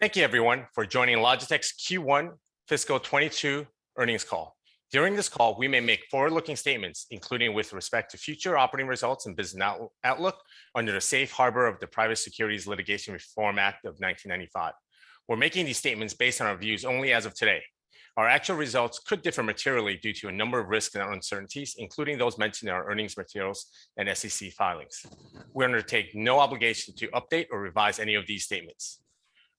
Thank you, everyone, for joining Logitech's Q1 Fiscal 2022 Earnings Call. During this call, we may make forward-looking statements, including with respect to future operating results and business outlook under the safe harbor of the Private Securities Litigation Reform Act of 1995. We're making these statements based on our views only as of today. Our actual results could differ materially due to a number of risks and uncertainties, including those mentioned in our earnings materials and SEC filings. We undertake no obligation to update or revise any of these statements.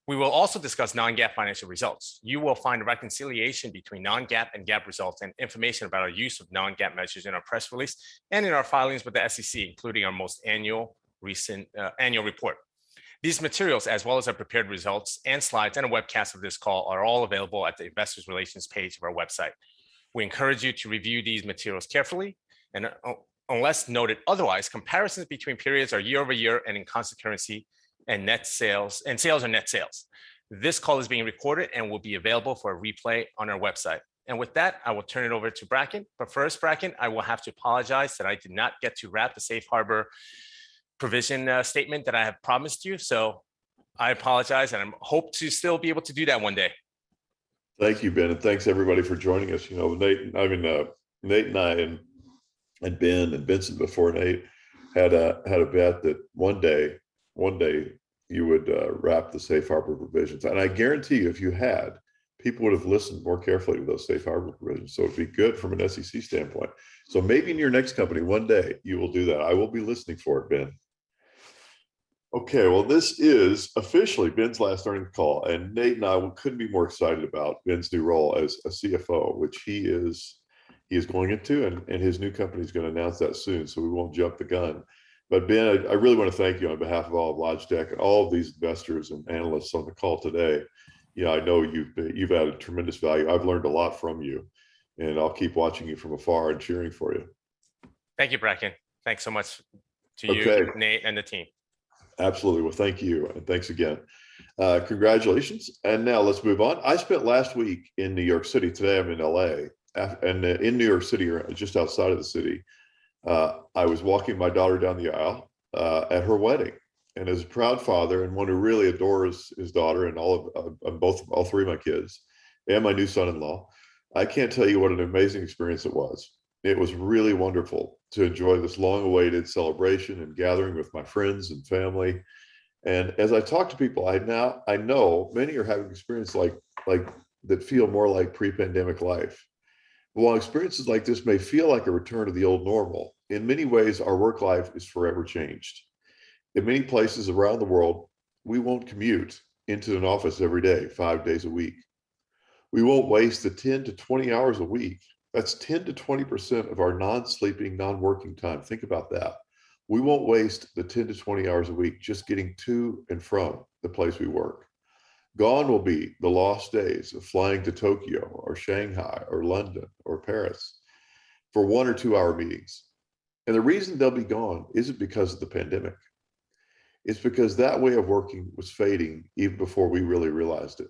We will also discuss non-GAAP financial results. You will find a reconciliation between non-GAAP and GAAP results and information about our use of non-GAAP measures in our press release and in our filings with the SEC, including our most recent annual report. These materials, as well as our prepared results and slides and a webcast of this call, are all available at the investor relations page of our website. We encourage you to review these materials carefully, and unless noted otherwise, comparisons between periods are year-over-year and in constant currency, and sales are net sales. This call is being recorded and will be available for replay on our website. With that, I will turn it over to Bracken. First, Bracken, I will have to apologize that I did not get to wrap the safe harbor provision statement that I had promised you, so I apologize, and I hope to still be able to do that one day. Thank you, Ben. Thanks, everybody, for joining us. Nate and I and Ben and Vincent before Nate had a bet that one day, you would wrap the safe harbor provisions. I guarantee you, if you had, people would've listened more carefully to those safe harbor provisions, so it'd be good from an SEC standpoint. Maybe in your next company, one day, you will do that. I will be listening for it, Ben. Okay. Well, this is officially Ben's last earnings call, and Nate and I couldn't be more excited about Ben's new role as a CFO, which he is going into, and his new company's going to announce that soon, so we won't jump the gun. Ben, I really want to thank you on behalf of all of Logitech and all of these investors and analysts on the call today. I know you've added tremendous value. I've learned a lot from you, and I'll keep watching you from afar and cheering for you. Thank you, Bracken. Okay Nate, and the team. Absolutely. Well, thank you, and thanks again. Congratulations. Now, let's move on. I spent last week in New York City. Today, I'm in L.A. In New York City, or just outside of the city, I was walking my daughter down the aisle at her wedding. As a proud father and one who really adores his daughter and all three of my kids and my new son-in-law, I can't tell you what an amazing experience it was. It was really wonderful to enjoy this long-awaited celebration and gathering with my friends and family. As I talk to people, I know many are having an experience that feel more like pre-pandemic life. While experiences like this may feel like a return to the old normal, in many ways, our work life is forever changed. In many places around the world, we won't commute into an office every day, five days a week. We won't waste the 10-20 hours a week. That's 10%-20% of our non-sleeping, non-working time. Think about that. We won't waste the 10-20 hours a week just getting to and from the place we work. Gone will be the lost days of flying to Tokyo or Shanghai or London or Paris for one- or two-hour meetings. The reason they'll be gone isn't because of the pandemic. It's because that way of working was fading even before we really realized it.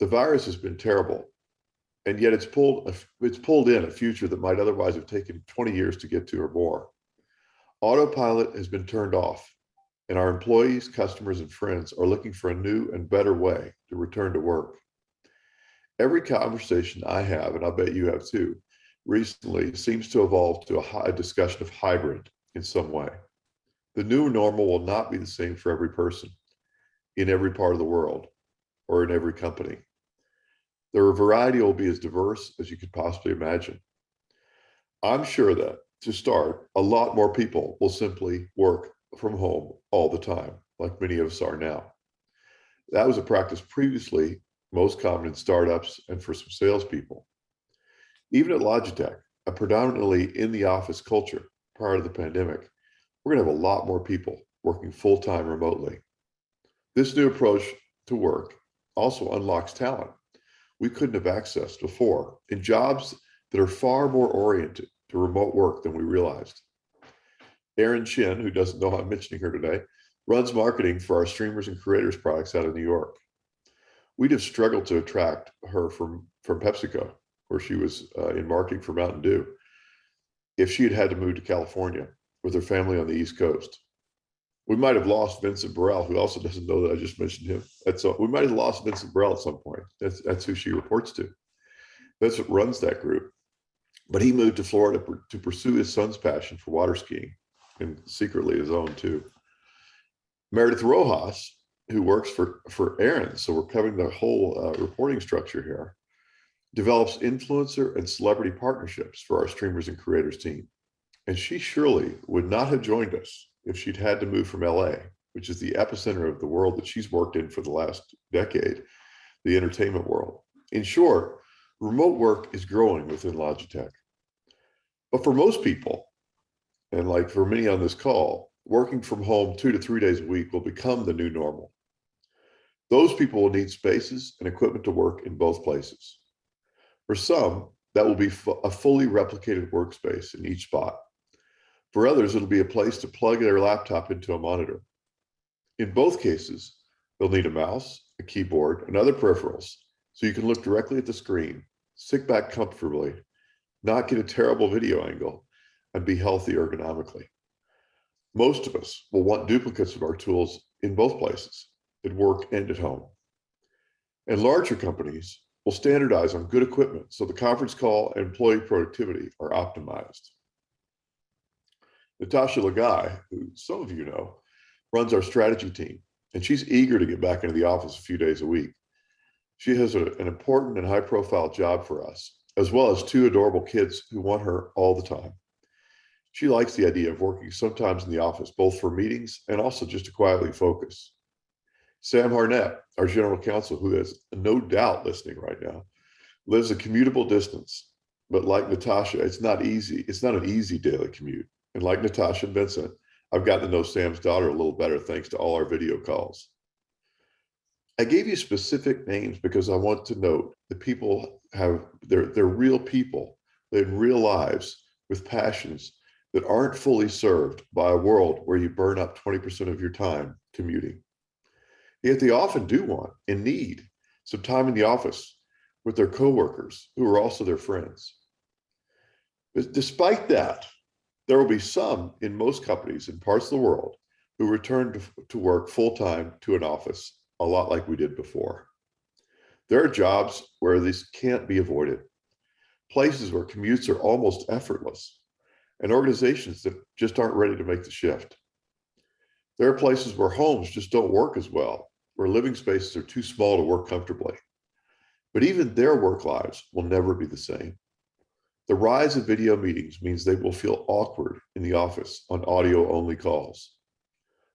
The virus has been terrible, and yet it's pulled in a future that might otherwise have taken 20 years to get to or more. Autopilot has been turned off. Our employees, customers, and friends are looking for a new and better way to return to work. Every conversation I have, I'll bet you have, too, recently seems to evolve to a discussion of hybrid in some way. The new normal will not be the same for every person in every part of the world or in every company. Their variety will be as diverse as you could possibly imagine. I'm sure that, to start, a lot more people will simply work from home all the time, like many of us are now. That was a practice previously most common in startups and for some salespeople. Even at Logitech, a predominantly in-the-office culture prior to the pandemic, we're going to have a lot more people working full-time remotely. This new approach to work also unlocks talent we couldn't have accessed before in jobs that are far more oriented to remote work than we realized. Erin Chin, who doesn't know I'm mentioning her today, runs marketing for our streamers and creators products out of New York. We'd have struggled to attract her from PepsiCo, where she was in marketing for Mountain Dew, if she had had to move to California with her family on the East Coast. We might have lost Vincent Borel, who also doesn't know that I just mentioned him. We might have lost Vincent Burrell at some point. That's who she reports to. Vincent runs that group, but he moved to Florida to pursue his son's passion for water skiing, and secretly his own, too. Meridith Rojas, who works for Erin, so we're covering the whole reporting structure here, develops influencer and celebrity partnerships for our Streamers & Creators team. She surely would not have joined us if she'd had to move from L.A., which is the epicenter of the world that she's worked in for the last decade, the entertainment world. In short, remote work is growing within Logitech. For most people, and like for many on this call, working from home two to three days a week will become the new normal. Those people will need spaces and equipment to work in both places. For some, that will be a fully replicated workspace in each spot. For others, it'll be a place to plug their laptop into a monitor. In both cases, they'll need a mouse, a keyboard, and other peripherals so you can look directly at the screen, sit back comfortably, not get a terrible video angle, and be healthy ergonomically. Most of us will want duplicates of our tools in both places, at work and at home. Larger companies will standardize on good equipment so the conference call and employee productivity are optimized. Natasha Ligai, who some of you know, runs our strategy team, and she's eager to get back into the office a few days a week. She has an important and high-profile job for us, as well as two adorable kids who want her all the time. She likes the idea of working sometimes in the office, both for meetings and also just to quietly focus. Samantha Harnett, our Chief Legal Officer, who is no doubt listening right now, lives a commutable distance. Like Natasha, it's not an easy daily commute, and like Natasha and Vincent, I've gotten to know Sam's daughter a little better, thanks to all our video calls. I gave you specific names because I want to note that they're real people. They have real lives with passions that aren't fully served by a world where you burn up 20% of your time commuting. Yet they often do want and need some time in the office with their coworkers who are also their friends. Despite that, there will be some in most companies in parts of the world who return to work full-time to an office a lot like we did before. There are jobs where this can't be avoided, places where commutes are almost effortless, and organizations that just aren't ready to make the shift. There are places where homes just don't work as well, where living spaces are too small to work comfortably. Even their work lives will never be the same. The rise of video meetings means they will feel awkward in the office on audio-only calls.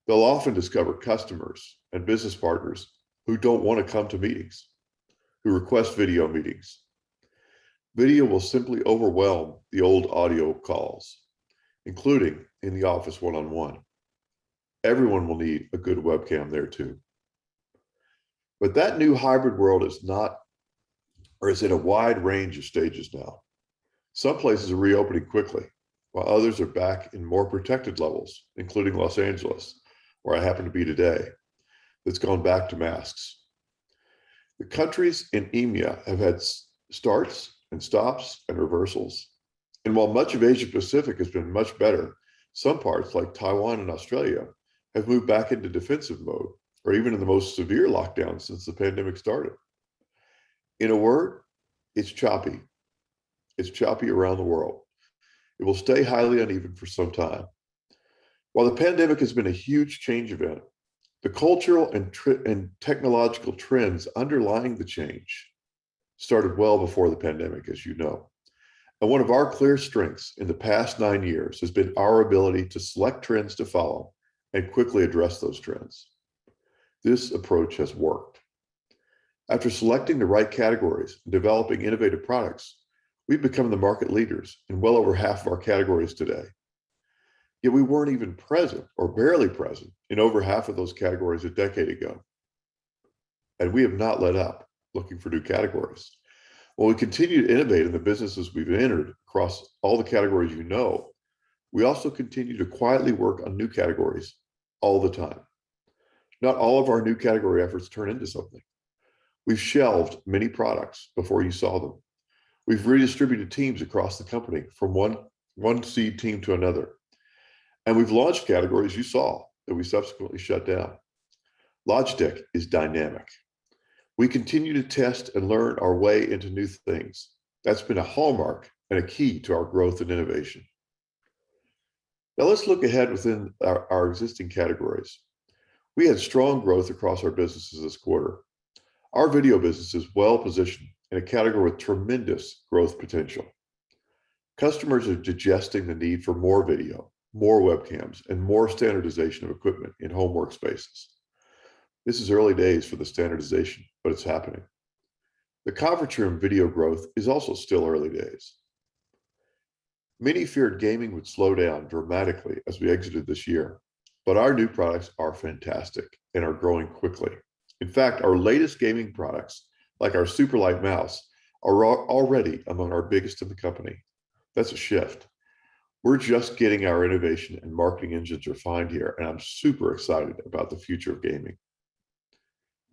They'll often discover customers and business partners who don't want to come to meetings, who request video meetings. Video will simply overwhelm the old audio calls, including in the office one-on-one. Everyone will need a good webcam there, too. That new hybrid world is in a wide range of stages now. Some places are reopening quickly, while others are back in more protected levels, including Los Angeles, where I happen to be today. It's gone back to masks. The countries in EMEA have had starts and stops and reversals, and while much of Asia-Pacific has been much better, some parts, like Taiwan and Australia, have moved back into defensive mode or even in the most severe lockdown since the pandemic started. In a word, it's choppy. It's choppy around the world. It will stay highly uneven for some time. While the pandemic has been a huge change event, the cultural and technological trends underlying the change started well before the pandemic, as you know. One of our clear strengths in the past nine years has been our ability to select trends to follow and quickly address those trends. This approach has worked. After selecting the right categories and developing innovative products, we've become the market leaders in well over half of our categories today. We weren't even present or barely present in over half of those categories a decade ago, and we have not let up looking for new categories. While we continue to innovate in the businesses we've entered across all the categories you know, we also continue to quietly work on new categories all the time. Not all of our new category efforts turn into something. We've shelved many products before you saw them. We've redistributed teams across the company from one seed team to another, and we've launched categories you saw that we subsequently shut down. Logitech is dynamic. We continue to test and learn our way into new things. That's been a hallmark and a key to our growth and innovation. Let's look ahead within our existing categories. We had strong growth across our businesses this quarter. Our video business is well-positioned in a category with tremendous growth potential. Customers are digesting the need for more video, more webcams, and more standardization of equipment in-home workspaces. This is early days for the standardization, but it's happening. The conference room video growth is also still early days. Many feared gaming would slow down dramatically as we exited this year, but our new products are fantastic and are growing quickly. In fact, our latest gaming products, like our Superlight mouse, are already among our biggest in the company. That's a shift. We're just getting our innovation and marketing engines refined here, and I'm super excited about the future of gaming.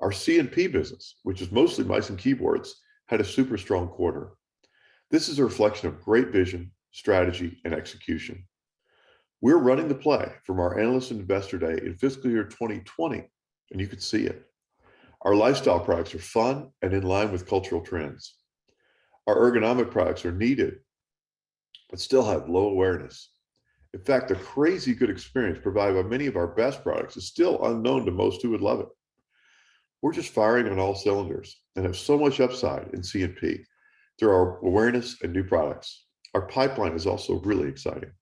Our C&P business, which is mostly mice and keyboards, had a super strong quarter. This is a reflection of great vision, strategy, and execution. We're running the play from our Analyst Day in FY 2020. You can see it. Our lifestyle products are fun and in line with cultural trends. Our ergonomic products are needed but still have low awareness. In fact, the crazy good experience provided by many of our best products is still unknown to most who would love it. We're just firing on all cylinders and have so much upside in C&P through our awareness and new products. Our pipeline is also really exciting.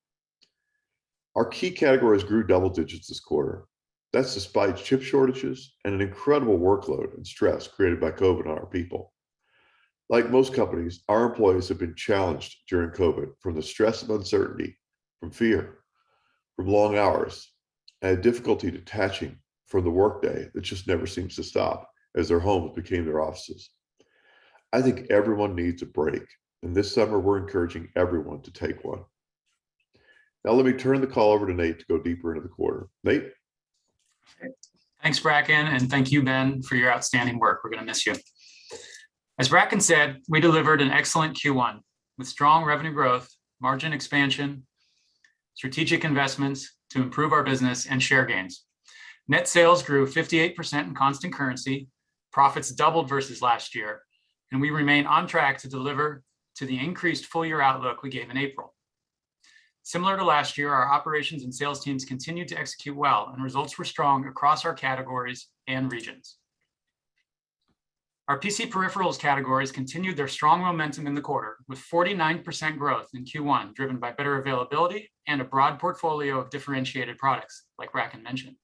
Our key categories grew double digits this quarter. That's despite chip shortages and an incredible workload and stress created by COVID on our people. Like most companies, our employees have been challenged during COVID from the stress of uncertainty, from fear, from long hours, and difficulty detaching from the workday that just never seems to stop as their homes became their offices. I think everyone needs a break, and this summer, we're encouraging everyone to take one. Let me turn the call over to Nate to go deeper into the quarter. Nate? Okay. Thanks, Bracken, and thank you, Ben, for your outstanding work. We're going to miss you. As Bracken said, we delivered an excellent Q1, with strong revenue growth, margin expansion, strategic investments to improve our business, and share gains. Net sales grew 58% in constant currency, profits doubled versus last year, and we remain on track to deliver to the increased full-year outlook we gave in April. Similar to last year, our operations and sales teams continued to execute well, and results were strong across our categories and regions. Our PC peripherals categories continued their strong momentum in the quarter, with 49% growth in Q1, driven by better availability and a broad portfolio of differentiated products, like Bracken mentioned.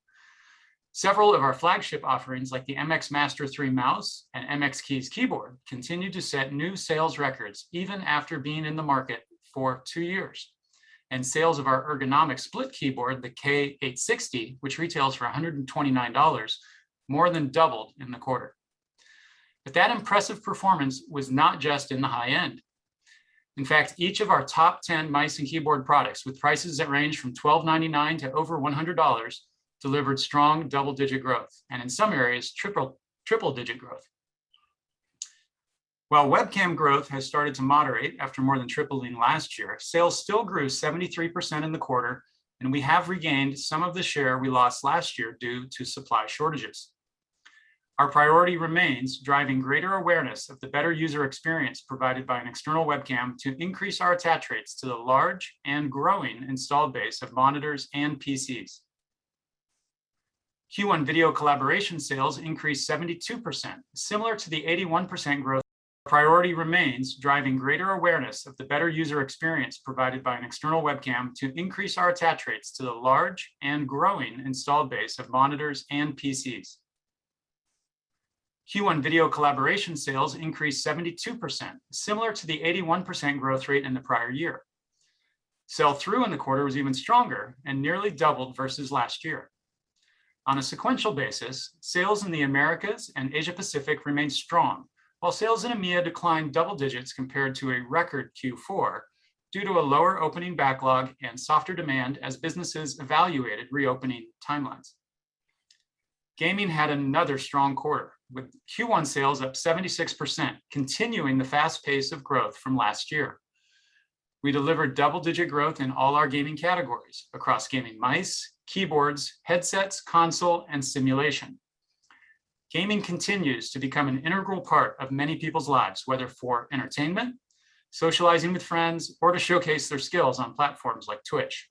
Several of our flagship offerings, like the MX Master 3 mouse and MX Keys keyboard, continued to set new sales records even after being in the market for two years. Sales of our ergonomic split keyboard, the K860, which retails for $129, more than doubled in the quarter. That impressive performance was not just in the high end. In fact, each of our top 10 mice and keyboard products, with prices that range from $12.99 to over $100, delivered strong double-digit growth, and in some areas, triple-digit growth. While webcam growth has started to moderate after more than tripling last year, sales still grew 73% in the quarter, and we have regained some of the share we lost last year due to supply shortages. Our priority remains driving greater awareness of the better user experience provided by an external webcam to increase our attach rates to the large and growing installed base of monitors and PCs. Priority remains driving greater awareness of the better user experience provided by an external webcam to increase our attach rates to the large and growing installed base of monitors and PCs. Q1 video collaboration sales increased 72%, similar to the 81% growth rate in the prior year. Sell-through in the quarter was even stronger and nearly doubled versus last year. On a sequential basis, sales in the Americas and Asia-Pacific remained strong, while sales in EMEA declined double digits compared to a record Q4 due to a lower opening backlog and softer demand as businesses evaluated reopening timelines. Gaming had another strong quarter, with Q1 sales up 76%, continuing the fast pace of growth from last year. We delivered double-digit growth in all our gaming categories across gaming mice, keyboards, headsets, console, and simulation. Gaming continues to become an integral part of many people's lives, whether for entertainment, socializing with friends, or to showcase their skills on platforms like Twitch.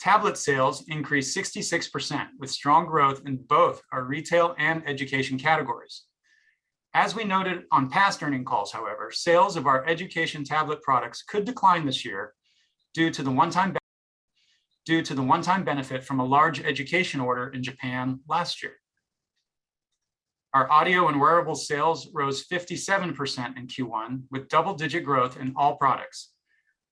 Tablet sales increased 66%, with strong growth in both our retail and education categories. As we noted on past earning calls, however, sales of our education tablet products could decline this year due to the one-time benefit from a large education order in Japan last year. Our audio and wearable sales rose 57% in Q1, with double-digit growth in all products,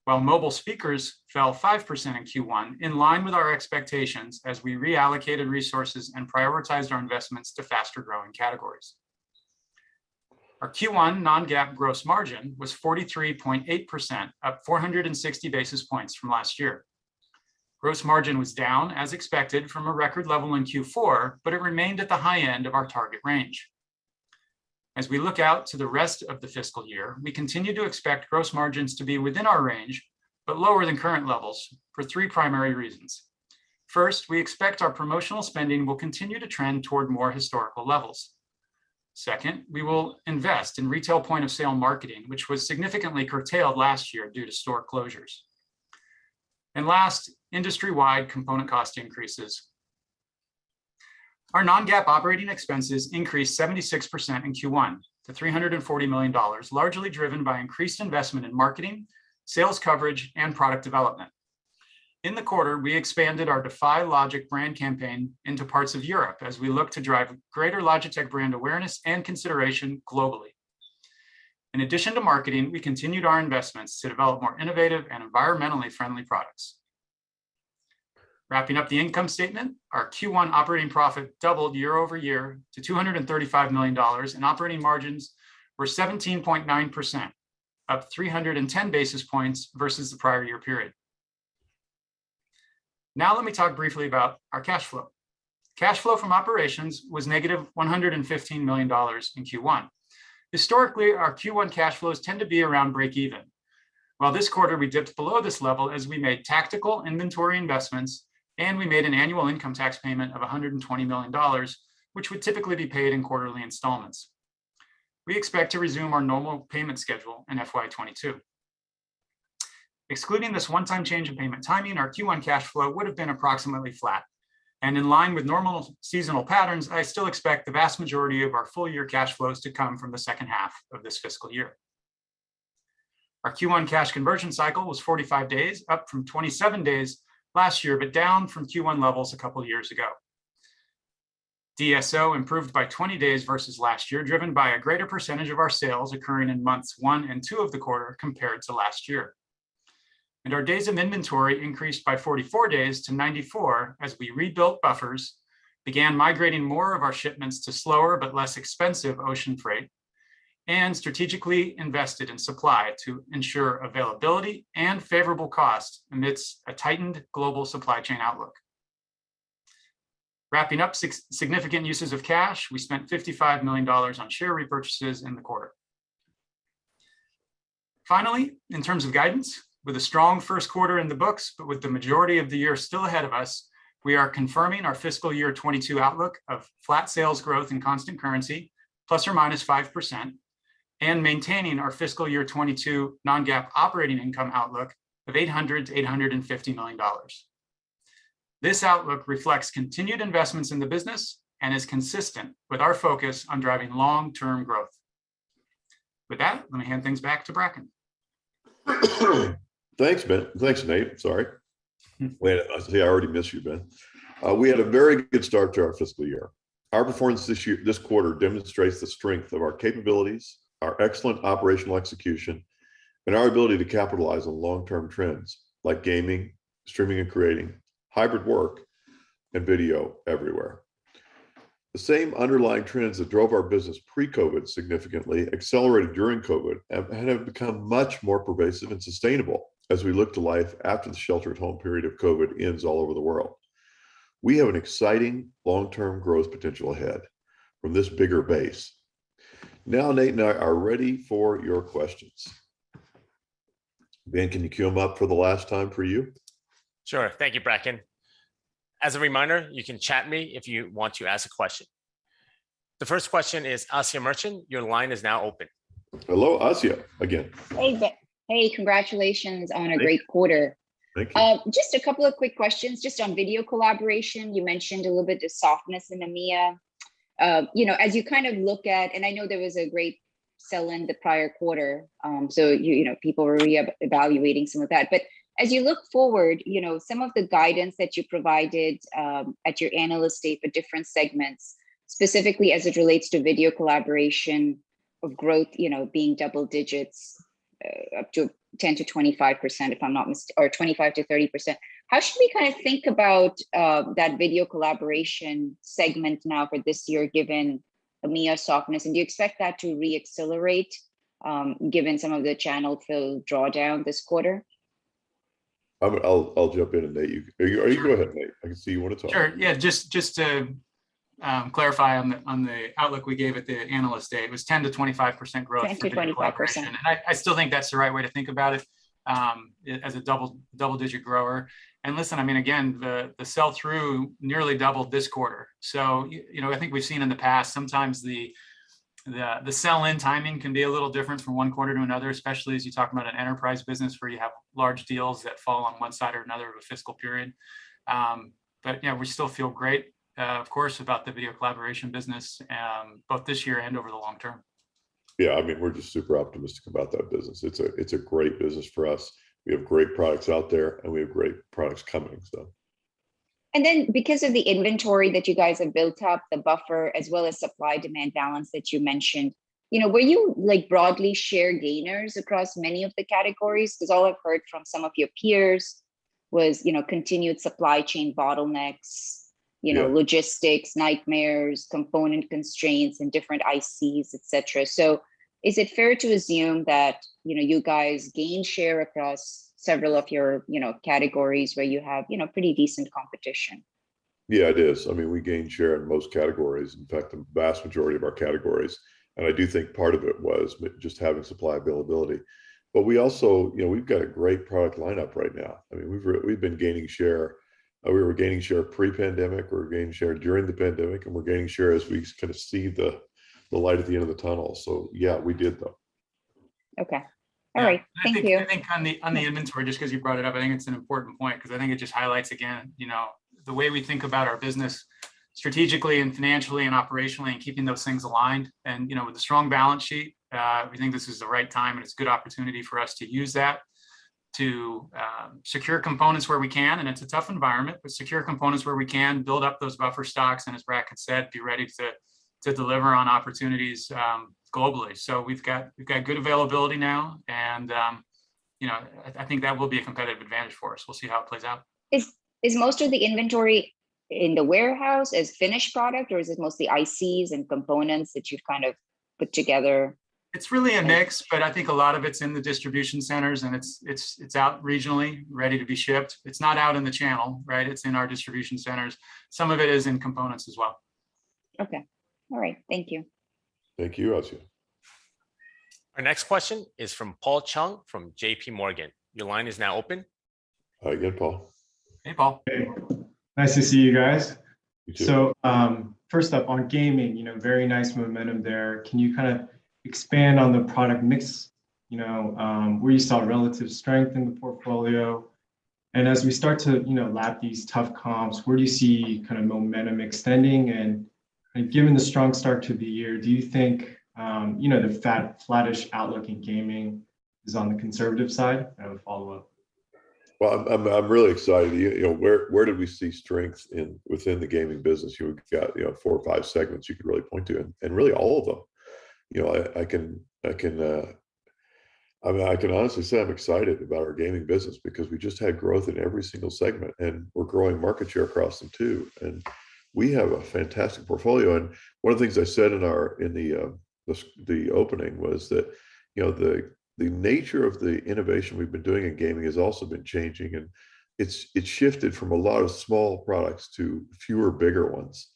while mobile speakers fell 5% in Q1, in line with our expectations as we reallocated resources and prioritized our investments to faster-growing categories. Our Q1 non-GAAP gross margin was 43.8%, up 460 basis points from last year. Gross margin was down, as expected, from a record level in Q4, but it remained at the high end of our target range. As we look out to the rest of the fiscal year, we continue to expect gross margins to be within our range, but lower than current levels, for three primary reasons. First, we expect our promotional spending will continue to trend toward more historical levels. Second, we will invest in retail point-of-sale marketing, which was significantly curtailed last year due to store closures. Last, industry-wide component cost increases. Our non-GAAP operating expenses increased 76% in Q1 to $340 million, largely driven by increased investment in marketing, sales coverage, and product development. In the quarter, we expanded our DEFY LOGIC brand campaign into parts of Europe as we look to drive greater Logitech brand awareness and consideration globally. In addition to marketing, we continued our investments to develop more innovative and environmentally friendly products. Wrapping up the income statement, our Q1 operating profit doubled year-over-year to $235 million, and operating margins were 17.9%, up 310 basis points versus the prior year period. Let me talk briefly about our cash flow. Cash flow from operations was negative $115 million in Q1. Historically, our Q1 cash flows tend to be around break even. This quarter we dipped below this level as we made tactical inventory investments and we made an annual income tax payment of $120 million, which would typically be paid in quarterly installments. We expect to resume our normal payment schedule in FY 2022. Excluding this one-time change in payment timing, our Q1 cash flow would have been approximately flat. In line with normal seasonal patterns, I still expect the vast majority of our full-year cash flows to come from the H2 of this fiscal year. Our Q1 cash conversion cycle was 45 days, up from 27 days last year, but down from Q1 levels a couple of years ago. DSO improved by 20 days versus last year, driven by a greater percentage of our sales occurring in months one and two of the quarter compared to last year. Our days of inventory increased by 44 days to 94 as we rebuilt buffers, began migrating more of our shipments to slower but less expensive ocean freight and strategically invested in supply to ensure availability and favorable cost amidst a tightened global supply chain outlook. Wrapping up significant uses of cash, we spent $55 million on share repurchases in the quarter. Finally, in terms of guidance, with a strong Q1 in the books, but with the majority of the year still ahead of us, we are confirming our fiscal year 2022 outlook of flat sales growth and constant currency, ±5%, and maintaining our fiscal year 2022 non-GAAP operating income outlook of $800 million-$850 million. This outlook reflects continued investments in the business and is consistent with our focus on driving long-term growth. With that, I'm going to hand things back to Bracken. Thanks, Nate. Sorry. Wait, see, I already miss you, Ben. We had a very good start to our fiscal year. Our performance this quarter demonstrates the strength of our capabilities, our excellent operational execution, and our ability to capitalize on long-term trends like gaming, streaming, and creating, hybrid work, and video everywhere. The same underlying trends that drove our business pre-COVID significantly accelerated during COVID, and have become much more pervasive and sustainable as we look to life after the shelter at home period of COVID ends all over the world. We have an exciting long-term growth potential ahead from this bigger base. Nate and I are ready for your questions. Ben, can you queue them up for the last time for you? Sure. Thank you, Bracken. As a reminder, you can chat me if you want to ask a question. The first question is Asiya Merchant. Your line is now open. Hello, Asiya, again. Hey. Congratulations on a great quarter. Thank you. Just a couple of quick questions just on video collaboration. You mentioned a little bit the softness in EMEA. I know there was a great sell-in the prior quarter, so people were reevaluating some of that. As you look forward, some of the guidance that you provided at your Analyst Day for different segments, specifically as it relates to video collaboration of growth being double digits up to 10%-25%, if I'm not mistaken, or 25%-30%, how should we think about that video collaboration segment now for this year, given EMEA softness? Do you expect that to re-accelerate, given some of the channel fill drawdown this quarter? I'll jump in, and Nate, Or you go ahead, Nate. I can see you want to talk. Sure. Yeah. Just to clarify on the outlook we gave at the Analyst Day, it was 10%-25% growth. 10%-25%. For video collaboration. I still think that's the right way to think about it, as a double-digit grower. Listen, again, the sell-through nearly doubled this quarter. I think we've seen in the past, sometimes the sell-in timing can be a little different from one quarter to another, especially as you talk about an enterprise business where you have large deals that fall on one side or another of a fiscal period. Yeah, we still feel great, of course, about the video collaboration business, both this year and over the long term. Yeah, we're just super optimistic about that business. It's a great business for us. We have great products out there, and we have great products coming, so. Because of the inventory that you guys have built up, the buffer, as well as supply-demand balance that you mentioned, were you broadly share gainers across many of the categories? Because all I've heard from some of your peers was continued supply chain bottlenecks, logistics nightmares, component constraints in different ICs, et cetera. Is it fair to assume that you guys gained share across several of your categories where you have pretty decent competition? Yeah, it is. We gained share in most categories. In fact, the vast majority of our categories. I do think part of it was just having supply availability. We've got a great product lineup right now. We've been gaining share. We were gaining share pre-pandemic, we were gaining share during the pandemic, and we're gaining share as we kind of see the light at the end of the tunnel. Yeah, we did. Okay. All right. Thank you. I think on the inventory, just because you brought it up, I think it's an important point, because I think it just highlights again, the way we think about our business strategically and financially and operationally, and keeping those things aligned. With a strong balance sheet, we think this is the right time, and it's a good opportunity for us to use that to secure components where we can. It's a tough environment, but secure components where we can, build up those buffer stocks, and as Bracken said, be ready to deliver on opportunities globally. We've got good availability now, and I think that will be a competitive advantage for us. We'll see how it plays out. Is most of the inventory in the warehouse as finished product, or is it mostly ICs and components that you've kind of put together? It's really a mix, but I think a lot of it's in the distribution centers, and it's out regionally, ready to be shipped. It's not out in the channel, right? It's in our distribution centers. Some of it is in components as well. Okay. All right. Thank you. Thank you, Asiya. Our next question is from Paul Chung from JPMorgan. Your line is now open. Hi again, Paul. Hey, Paul. Hey. Nice to see you guys. First up on gaming, very nice momentum there. Can you expand on the product mix? Where you saw relative strength in the portfolio? As we start to lap these tough comps, where do you see momentum extending? Given the strong start to the year, do you think the flattish outlook in gaming is on the conservative side? I have a follow-up. Well, I'm really excited. Where did we see strengths within the gaming business? You've got four or five segments you could really point to, really all of them. I can honestly say I'm excited about our gaming business, because we just had growth in every single segment, we're growing market share across them, too. We have a fantastic portfolio. One of the things I said in the opening was that the nature of the innovation we've been doing in gaming has also been changing. It's shifted from a lot of small products to fewer, bigger ones,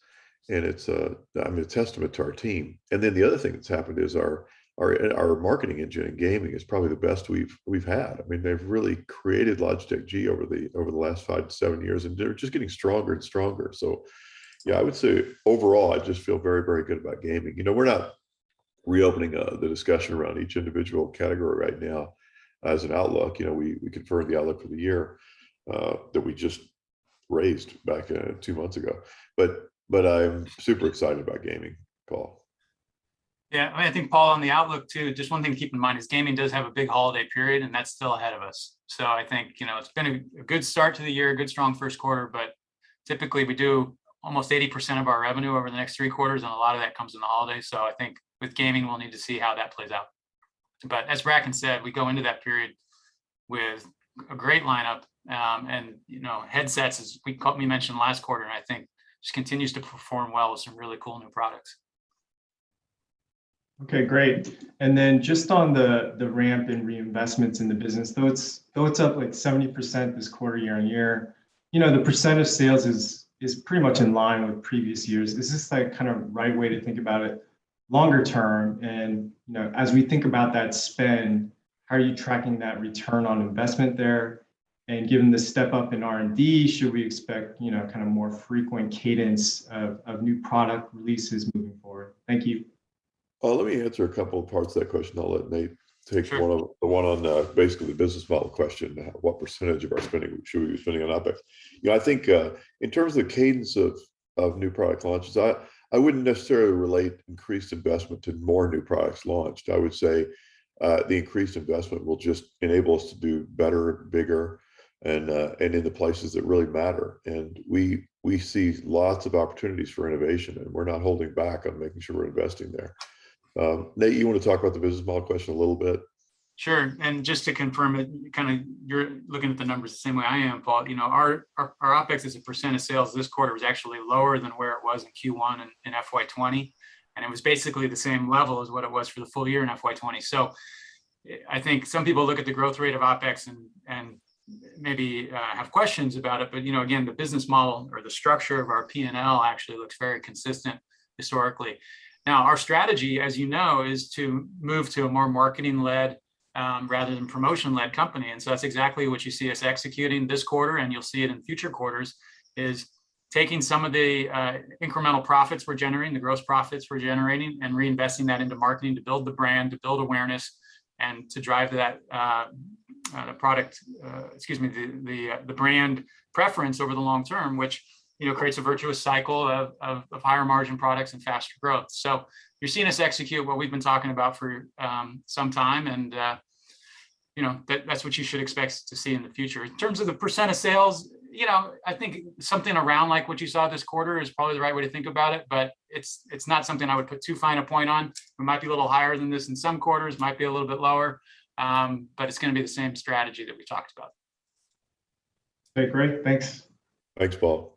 and it's a testament to our team. The other thing that's happened is our marketing engine in gaming is probably the best we've had. They've really created Logitech G over the last five to seven years, and they're just getting stronger and stronger. Yeah, I would say overall, I just feel very good about gaming. We're not reopening the discussion around each individual category right now as an outlook. We confirmed the outlook for the year, that we just raised back two months ago. I'm super excited about gaming, Paul. I think, Paul, on the outlook, too, just one thing to keep in mind is gaming does have a big holiday period, and that's still ahead of us. I think it's been a good start to the year, a good strong Q1, but typically, we do almost 80% of our revenue over the next three quarters, and a lot of that comes in the holidays. I think with gaming, we'll need to see how that plays out. As Bracken said, we go into that period with a great lineup, and headsets, as we mentioned last quarter, I think just continues to perform well with some really cool new products. Okay, great. Just on the ramp in reinvestments in the business, though it's up like 70% this quarter year-over-year, the percent of sales is pretty much in line with previous years. Is this the right way to think about it longer term? As we think about that spend, how are you tracking that return on investment there? Given the step-up in R&D, should we expect more frequent cadence of new product releases moving forward? Thank you. Let me answer a couple of parts of that question. I'll let Nate take the one on basically the business model question, what percentage of our spending should we be spending on OpEx? I think, in terms of the cadence of new product launches, I wouldn't necessarily relate increased investment to more new products launched. I would say the increased investment will just enable us to do better, bigger, and in the places that really matter. We see lots of opportunities for innovation, and we're not holding back on making sure we're investing there. Nate, you want to talk about the business model question a little bit? Sure. Just to confirm it, you're looking at the numbers the same way I am, Paul. Our OpEx as a percent of sales this quarter was actually lower than where it was in Q1 in FY 2020, and it was basically the same level as what it was for the full year in FY 2020. I think some people look at the growth rate of OpEx and maybe have questions about it, but again, the business model or the structure of our P&L actually looks very consistent historically. Now, our strategy, as you know, is to move to a more marketing-led, rather than promotion-led company. That's exactly what you see us executing this quarter, and you'll see it in future quarters, is taking some of the incremental profits we're generating, the gross profits we're generating, and reinvesting that into marketing to build the brand, to build awareness, and to drive the brand preference over the long term, which creates a virtuous cycle of higher margin products and faster growth. You're seeing us execute what we've been talking about for some time, and that's what you should expect to see in the future. In terms of the percent of sales, I think something around what you saw this quarter is probably the right way to think about it, but it's not something I would put too fine a point on. It might be a little higher than this in some quarters, might be a little bit lower, but it's going to be the same strategy that we talked about. Okay, great. Thanks. Thanks, Paul.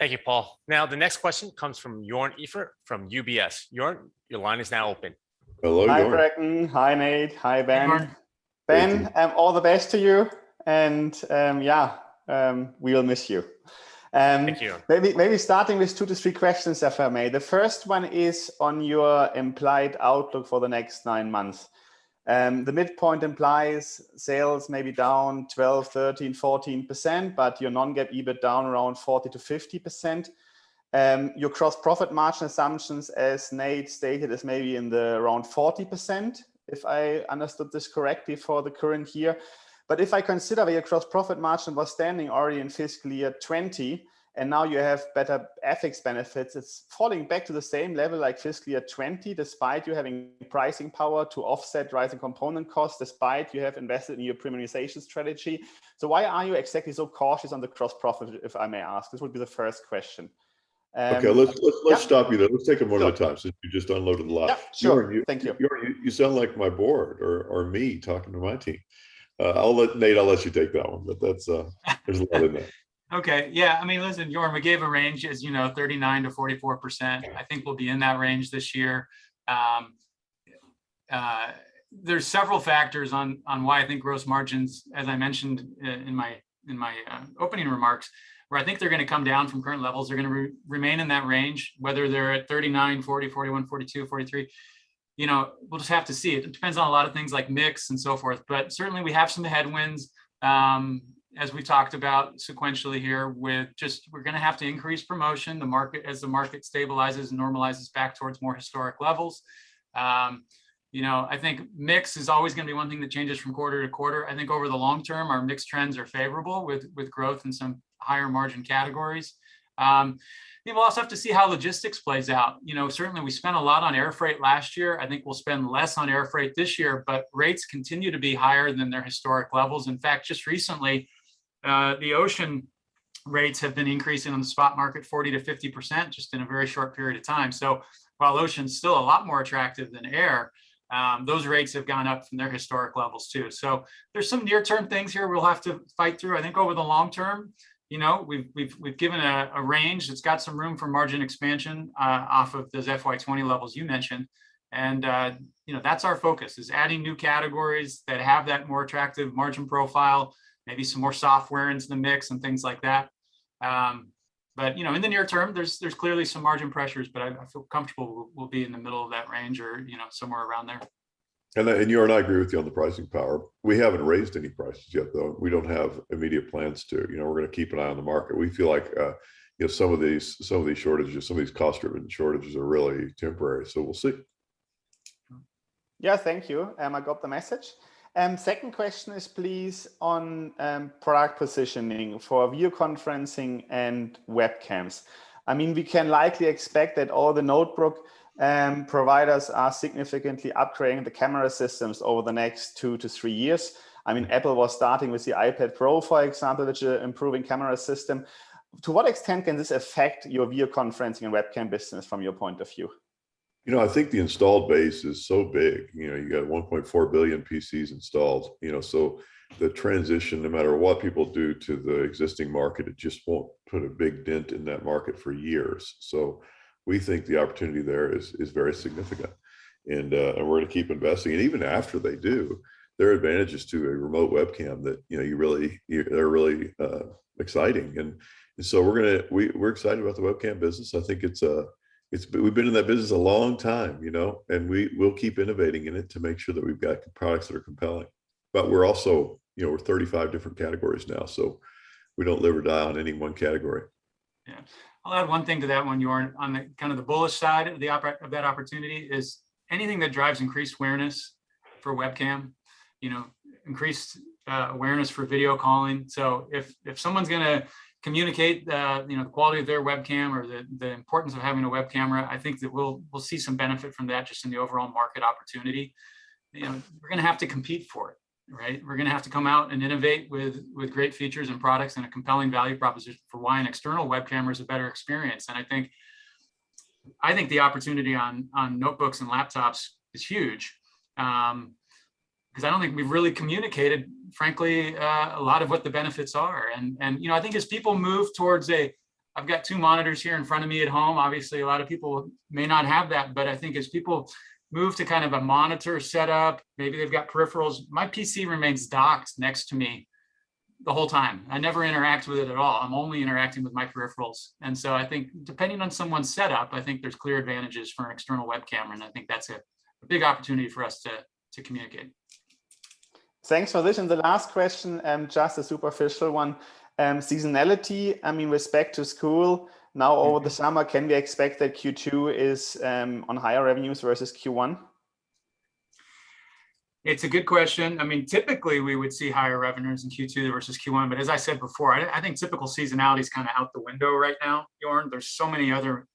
Thank you, Paul. The next question comes from Joern Iffert from UBS. Joern, your line is now open. Hello, Joern. Hi, Bracken. Hi, Nate. Hi, Ben. Hey, Joern. Ben, all the best to you, and yeah, we will miss you. Thank you. Maybe starting with two to three questions, if I may. The first one is on your implied outlook for the next nine months. The midpoint implies sales may be down 12%, 13%, 14%, your non-GAAP EBIT down around 40%-50%. Your gross-profit margin assumptions, as Nate stated, is maybe in the around 40%, if I understood this correctly, for the current year. If I consider your gross-profit margin was standing already in FY 2020, and now you have better OpEx benefits, it is falling back to the same level like FY 2020, despite you having pricing power to offset rising component costs, despite you have invested in your premiumization strategy. Why are you exactly so cautious on the gross-profit, if I may ask? This would be the first question. Okay. Let's stop you there. Let's take them one at a time, since you just unloaded a lot. Yeah. Sure. Thank you. Joern, you sound like my board or me talking to my team. Nate, I'll let you take that one. There's a lot in there. Yeah. Listen, Joern, we gave a range as 39%-44%. I think we'll be in that range this year. There's several factors on why I think gross margins, as I mentioned in my opening remarks, where I think they're going to come down from current levels. They're going to remain in that range, whether they're at 39%, 40%, 41%, 42%, 43%. We'll just have to see. It depends on a lot of things, like mix and so forth. Certainly, we have some headwinds, as we talked about sequentially here, with just we're going to have to increase promotion as the market stabilizes and normalizes back towards more historic levels. I think mix is always going to be one thing that changes from quarter to quarter. I think over the long term, our mix trends are favorable, with growth in some higher margin categories. We also have to see how logistics plays out. Certainly, we spent a lot on air freight last year. I think we'll spend less on air freight this year. Rates continue to be higher than their historic levels. In fact, just recently, the ocean rates have been increasing on the spot market 40%-50% just in a very short period of time. While ocean's still a lot more attractive than air, those rates have gone up from their historic levels, too. There's some near-term things here we'll have to fight through. I think over the long term, we've given a range that's got some room for margin expansion off of those FY 2020 levels you mentioned. That's our focus, is adding new categories that have that more attractive margin profile, maybe some more software into the mix and things like that. In the near term, there's clearly some margin pressures, but I feel comfortable we'll be in the middle of that range or somewhere around there. Joern, I agree with you on the pricing power. We haven't raised any prices yet, though. We don't have immediate plans to. We're going to keep an eye on the market. We feel like some of these shortages, some of these cost-driven shortages, are really temporary. We'll see. Yeah, thank you. I got the message. Second question is please on product positioning for video collaboration and webcams. We can likely expect that all the notebook providers are significantly upgrading the camera systems over the next two to three years. Apple was starting with the iPad Pro, for example, which are improving camera system. To what extent can this affect your video collaboration and webcam business from your point of view? I think the installed base is so big. You got 1.4 billion PCs installed. The transition, no matter what people do to the existing market, it just won't put a big dent in that market for years. We think the opportunity there is very significant, and we're going to keep investing. Even after they do, there are advantages to a remote webcam that are really exciting. We're excited about the webcam business. I think we've been in that business a long time, and we'll keep innovating in it to make sure that we've got products that are compelling. We're 35 different categories now, so we don't live or die on any one category. I'll add one thing to that one, Joern. On the bullish side of that opportunity is anything that drives increased awareness for webcam, increased awareness for video calling. If someone's going to communicate the quality of their webcam or the importance of having a web camera, I think that we'll see some benefit from that just in the overall market opportunity. We're going to have to compete for it, right? We're going to have to come out and innovate with great features and products and a compelling value proposition for why an external web camera is a better experience. I think the opportunity on notebooks and laptops is huge, because I don't think we've really communicated, frankly, a lot of what the benefits are. I think as people move towards I've got two monitors here in front of me at home. A lot of people may not have that. I think as people move to a monitor setup, maybe they've got peripherals. My PC remains docked next to me the whole time. I never interact with it at all. I'm only interacting with my peripherals. I think depending on someone's setup, I think there's clear advantages for an external web camera. I think that's a big opportunity for us to communicate. Thanks for this. The last question, just a superficial one. Seasonality, respect to school now over the summer, can we expect that Q2 is on higher revenues versus Q1? It's a good question. Typically, we would see higher revenues in Q2 versus Q1. As I said before, I think typical seasonality is out the window right now, Joern. There's so many other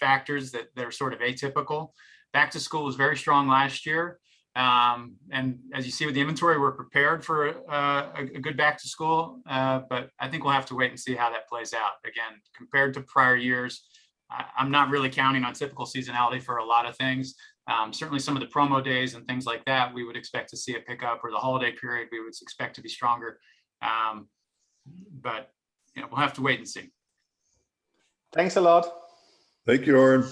factors that are sort of atypical. Back to school was very strong last year. As you see with the inventory, we're prepared for a good back to school. I think we'll have to wait and see how that plays out. Again, compared to prior years, I'm not really counting on typical seasonality for a lot of things. Certainly, some of the promo days and things like that, we would expect to see a pickup, or the holiday period we would expect to be stronger. We'll have to wait and see. Thanks a lot. Thank you, Joern.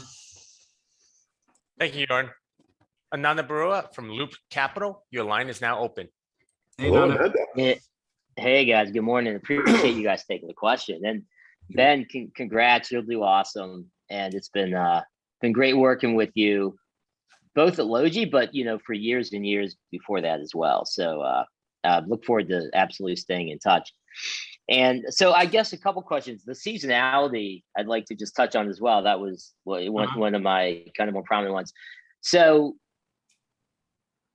Thank you, Joern. Ananda Baruah from Loop Capital, your line is now open. Hey, Ananda. Hey, guys. Good morning. Appreciate you guys taking the question. Ben, congrats. You're really awesome, and it's been great working with you both at Logitech, but for years and years before that as well. Look forward to absolutely staying in touch. I guess a couple questions. The seasonality I'd like to just touch on as well. That was one of my more prominent ones.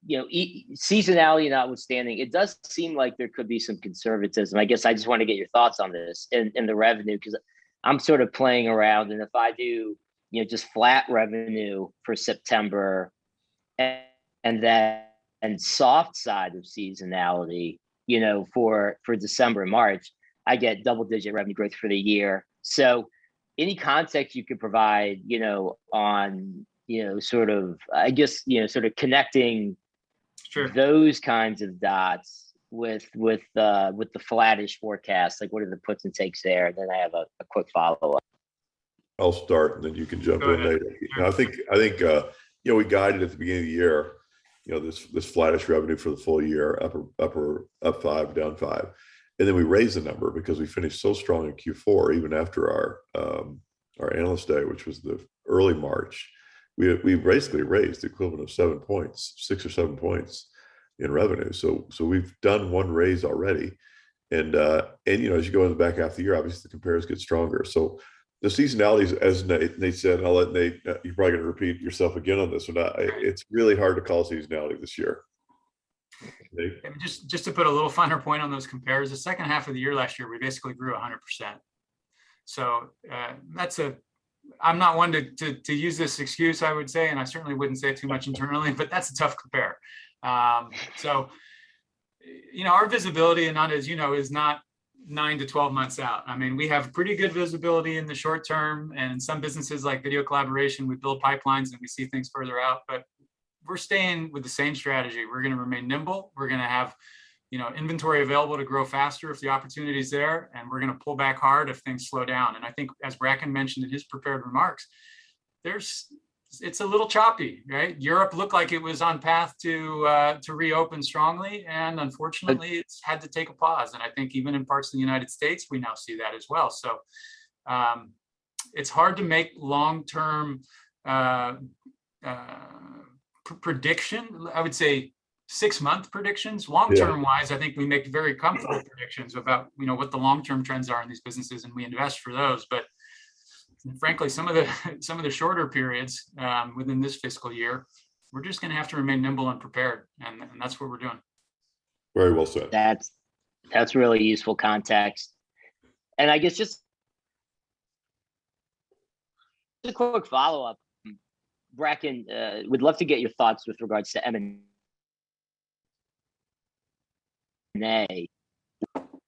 Seasonality notwithstanding, it does seem like there could be some conservatism. I guess I just want to get your thoughts on this and the revenue, because I'm sort of playing around, and if I do just flat revenue for September and soft side of seasonality for December and March, I get double-digit revenue growth for the year. Any context you could provide on just sort of connecting those kinds of dots with the flattish forecast, like what are the puts and takes there? I have a quick follow-up. I'll start, and then you can jump in, Nate. Go ahead. I think we guided at the beginning of the year, this flattish revenue for the full year, up five, down five. We raised the number because we finished so strong in Q4, even after our Analyst Day, which was the early March. We basically raised the equivalent of seven points, six or seven points in revenue. We've done one raise already, and as you go into the back half of the year, obviously the compares get stronger. The seasonality, as Nate said, and I'll let Nate, you're probably going to repeat yourself again on this or not. It's really hard to call seasonality this year. Nate? Just to put a little finer point on those compares, the H2 of the year last year, we basically grew 100%. I'm not one to use this excuse, I would say, and I certainly wouldn't say it too much internally, but that's a tough compare. Our visibility, Ananda, as you know, is not 9-12 months out. We have pretty good visibility in the short term, and some businesses, like video collaboration, we build pipelines, and we see things further out, but we're staying with the same strategy. We're going to remain nimble. We're going to have inventory available to grow faster if the opportunity's there, and we're going to pull back hard if things slow down. I think, as Bracken mentioned in his prepared remarks, it's a little choppy. Europe looked like it was on path to reopen strongly, and unfortunately, it's had to take a pause, and I think even in parts of the U.S., we now see that as well. It's hard to make long-term prediction. I would say six-month predictions. Yeah. Long-term wise, I think we make very comfortable predictions about what the long-term trends are in these businesses, and we invest for those. Frankly, some of the shorter periods within this fiscal year, we're just going to have to remain nimble and prepared, and that's what we're doing. Very well said. That's really useful context. I guess just a quick follow-up. Bracken, would love to get your thoughts with regards to M&A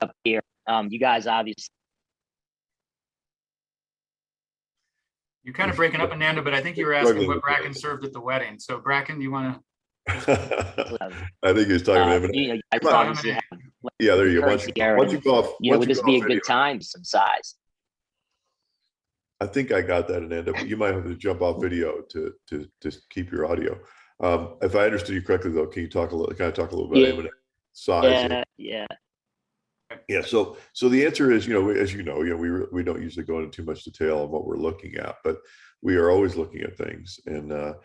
up here. You're kind of breaking up, Ananda, but I think you were asking what Bracken served at the wedding. Bracken. I think he's talking about M&A. Obviously. Yeah, there you go. Why don't you go off video? Would this be a good time to assess? I think I got that, Ananda, but you might have to jump off video to just keep your audio. If I understood you correctly, though, can you talk a little about M&A size? Yeah. Yeah. The answer is, as you know, we don't usually go into too much detail on what we're looking at, but we are always looking at things, and the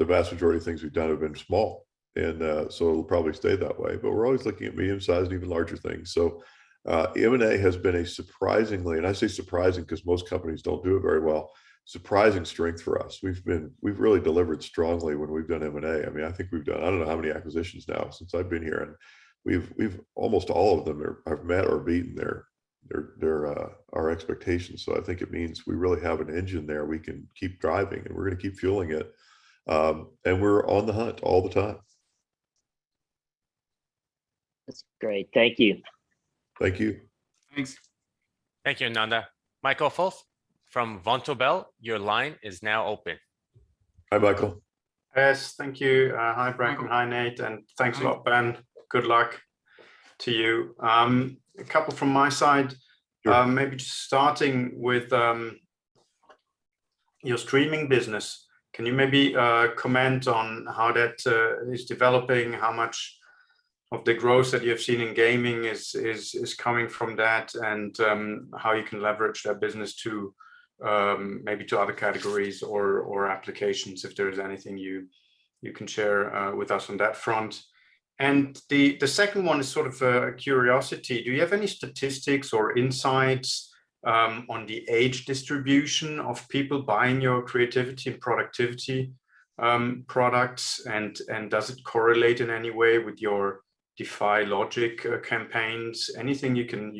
vast majority of things we've done have been small. It'll probably stay that way, but we're always looking at medium-sized and even larger things. M&A has been a surprisingly, and I say surprising because most companies don't do it very well, surprising strength for us. We've really delivered strongly when we've done M&A. I think we've done, I don't know how many acquisitions now since I've been here, and almost all of them have met or beaten their expectations. I think it means we really have an engine there we can keep driving, and we're going to keep fueling it. We're on the hunt all the time. That's great. Thank you. Thank you. Thank you, Ananda. Michael Foeth from Vontobel, your line is now open. Hi, Michael. Yes, thank you. Hi, Bracken. Hi, Nate, and thanks a lot, Ben. Good luck to you. A couple from my side. Maybe just starting with your streaming business, can you maybe comment on how that is developing, how much of the growth that you have seen in gaming is coming from that, and how you can leverage that business to maybe to other categories or applications, if there is anything you can share with us on that front? The second one is sort of a curiosity. Do you have any statistics or insights on the age distribution of people buying your creativity and productivity products, and does it correlate in any way with your DEFY LOGIC campaigns? Anything you can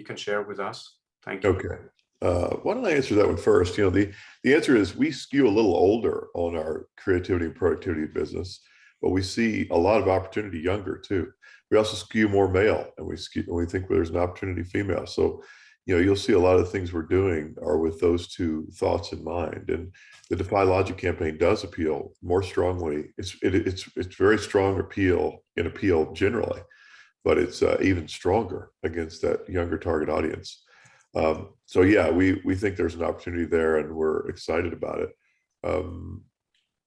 share with us? Thank you. Okay. Why don't I answer that one first. The answer is we skew a little older on our creativity and productivity business, but we see a lot of opportunity younger, too. We also skew more male, and we think there's an opportunity female. You'll see a lot of the things we're doing are with those two thoughts in mind, and the DEFY LOGIC campaign does appeal more strongly. It's very strong appeal in appeal generally, but it's even stronger against that younger target audience. Yeah, we think there's an opportunity there, and we're excited about it.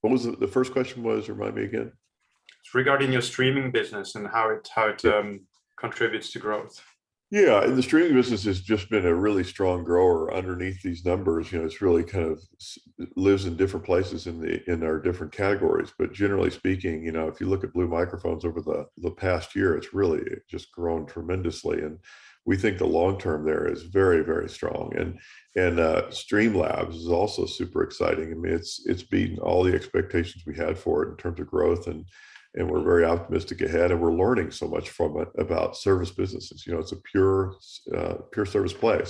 What was the first question? Remind me again. It's regarding your streaming business and how it contributes to growth. Yeah. The streaming business has just been a really strong grower underneath these numbers. It really lives in different places in our different categories. Generally speaking, if you look at Blue Microphones over the past year, it's really just grown tremendously, and we think the long term there is very, very strong. Streamlabs is also super exciting. It's beaten all the expectations we had for it in terms of growth, and we're very optimistic ahead, and we're learning so much from it about service businesses. It's a pure service play.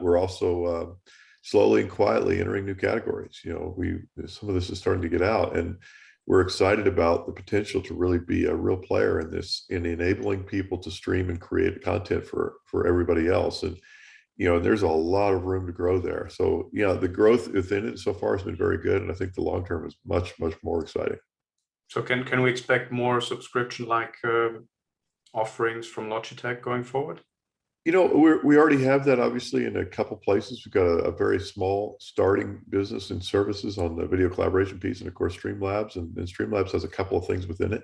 We're also slowly and quietly entering new categories. Some of this is starting to get out, and we're excited about the potential to really be a real player in enabling people to stream and create content for everybody else. There's a lot of room to grow there. Yeah, the growth within it so far has been very good, and I think the long term is much, much more exciting. Can we expect more subscription-like offerings from Logitech going forward? We already have that, obviously, in a couple places. We've got a very small starting business in services on the video collaboration piece, and of course, Streamlabs, and Streamlabs has a couple of things within it.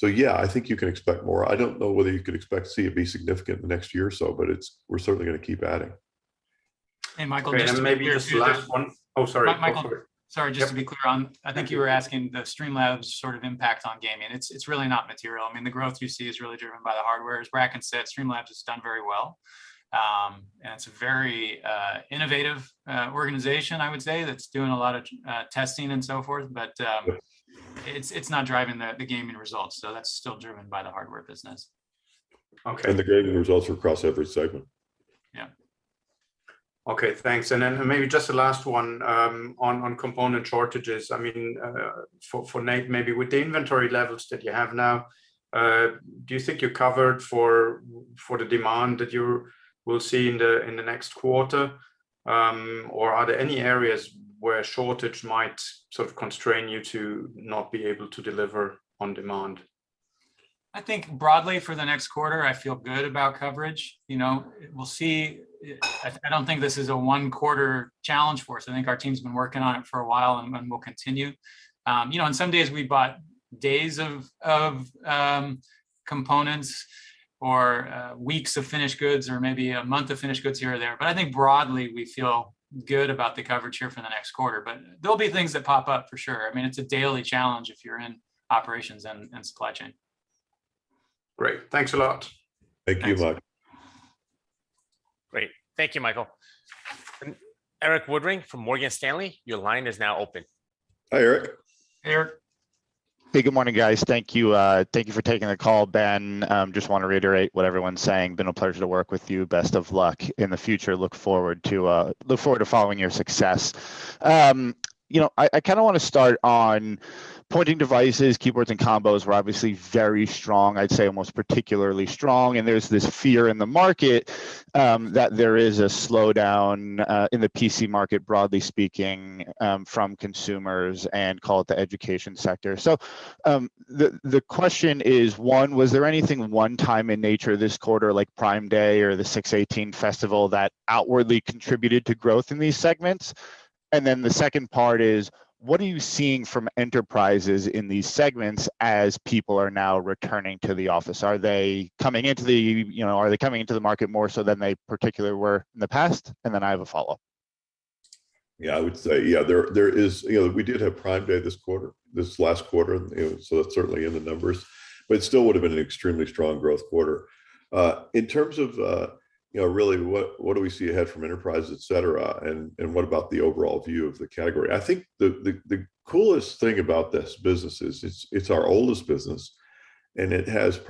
Yeah, I think you can expect more. I don't know whether you could expect to see it be significant in the next year or so, but we're certainly going to keep adding. Hey, Michael. Okay, maybe just last one. Oh, sorry. Go ahead. Michael, sorry, just to be clear on, I think you were asking the Streamlabs sort of impact on gaming. It's really not material. The growth you see is really driven by the hardware. As Bracken said, Streamlabs has done very well. It's a very innovative organization, I would say, that's doing a lot of testing and so forth. It's not driving the gaming results, so that's still driven by the hardware business. Okay. The gaming results are across every segment. Okay, thanks. Then maybe just the last one on component shortages. For Nate, maybe with the inventory levels that you have now, do you think you're covered for the demand that you will see in the next quarter? Are there any areas where a shortage might sort of constrain you to not be able to deliver on demand? I think broadly for the next quarter, I feel good about coverage. We will see. I don't think this is a one-quarter challenge for us. I think our team's been working on it for a while, and will continue. On some days, we bought days of components or weeks of finished goods or maybe a month of finished goods here or there. I think broadly, we feel good about the coverage here for the next quarter. There will be things that pop up for sure. It's a daily challenge if you're in operations and supply chain. Great. Thanks a lot. Thank you, Michael. Thanks. Great. Thank you, Michael. Erik Woodring from Morgan Stanley, your line is now open. Hi, Erik. Hey, Erik. Hey, good morning, guys. Thank you for taking the call. Ben, just want to reiterate what everyone's saying. Been a pleasure to work with you. Best of luck in the future. Look forward to following your success. I kind of want to start on pointing devices, keyboards, and combos were obviously very strong, I'd say almost particularly strong, and there's this fear in the market that there is a slowdown in the PC market, broadly speaking, from consumers and call it the education sector. The question is, one, was there anything one-time in nature this quarter, like Prime Day or the 618 Festival, that outwardly contributed to growth in these segments? The second part is, what are you seeing from enterprises in these segments as people are now returning to the office? Are they coming into the market more so than they particularly were in the past? I have a follow-up. Yeah, I would say we did have Prime Day this last quarter. That's certainly in the numbers. It still would've been an extremely strong growth quarter. In terms of really what do we see ahead from enterprise, et cetera, and what about the overall view of the category, I think the coolest thing about this business is it's our oldest business. It's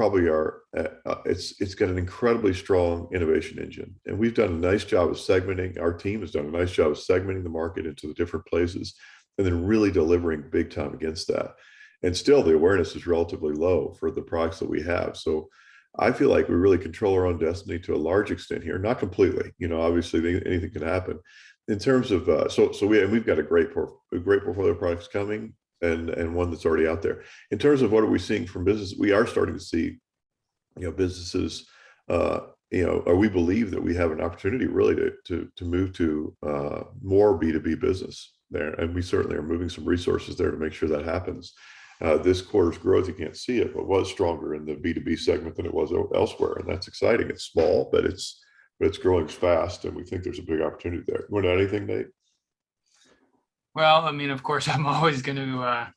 got an incredibly strong innovation engine. Our team has done a nice job of segmenting the market into the different places. Then really delivering big time against that. Still, the awareness is relatively low for the products that we have. I feel like we really control our own destiny to a large extent here. Not completely, obviously anything can happen. We've got a great portfolio of products coming and one that's already out there. In terms of what are we seeing from business, we are starting to see. We believe that we have an opportunity, really, to move to more B2B business there, we certainly are moving some resources there to make sure that happens. This quarter's growth, you can't see it, was stronger in the B2B segment than it was elsewhere, that's exciting. It's small, it's growing fast, we think there's a big opportunity there. You want to add anything, Nate? Well, of course, I'm always going to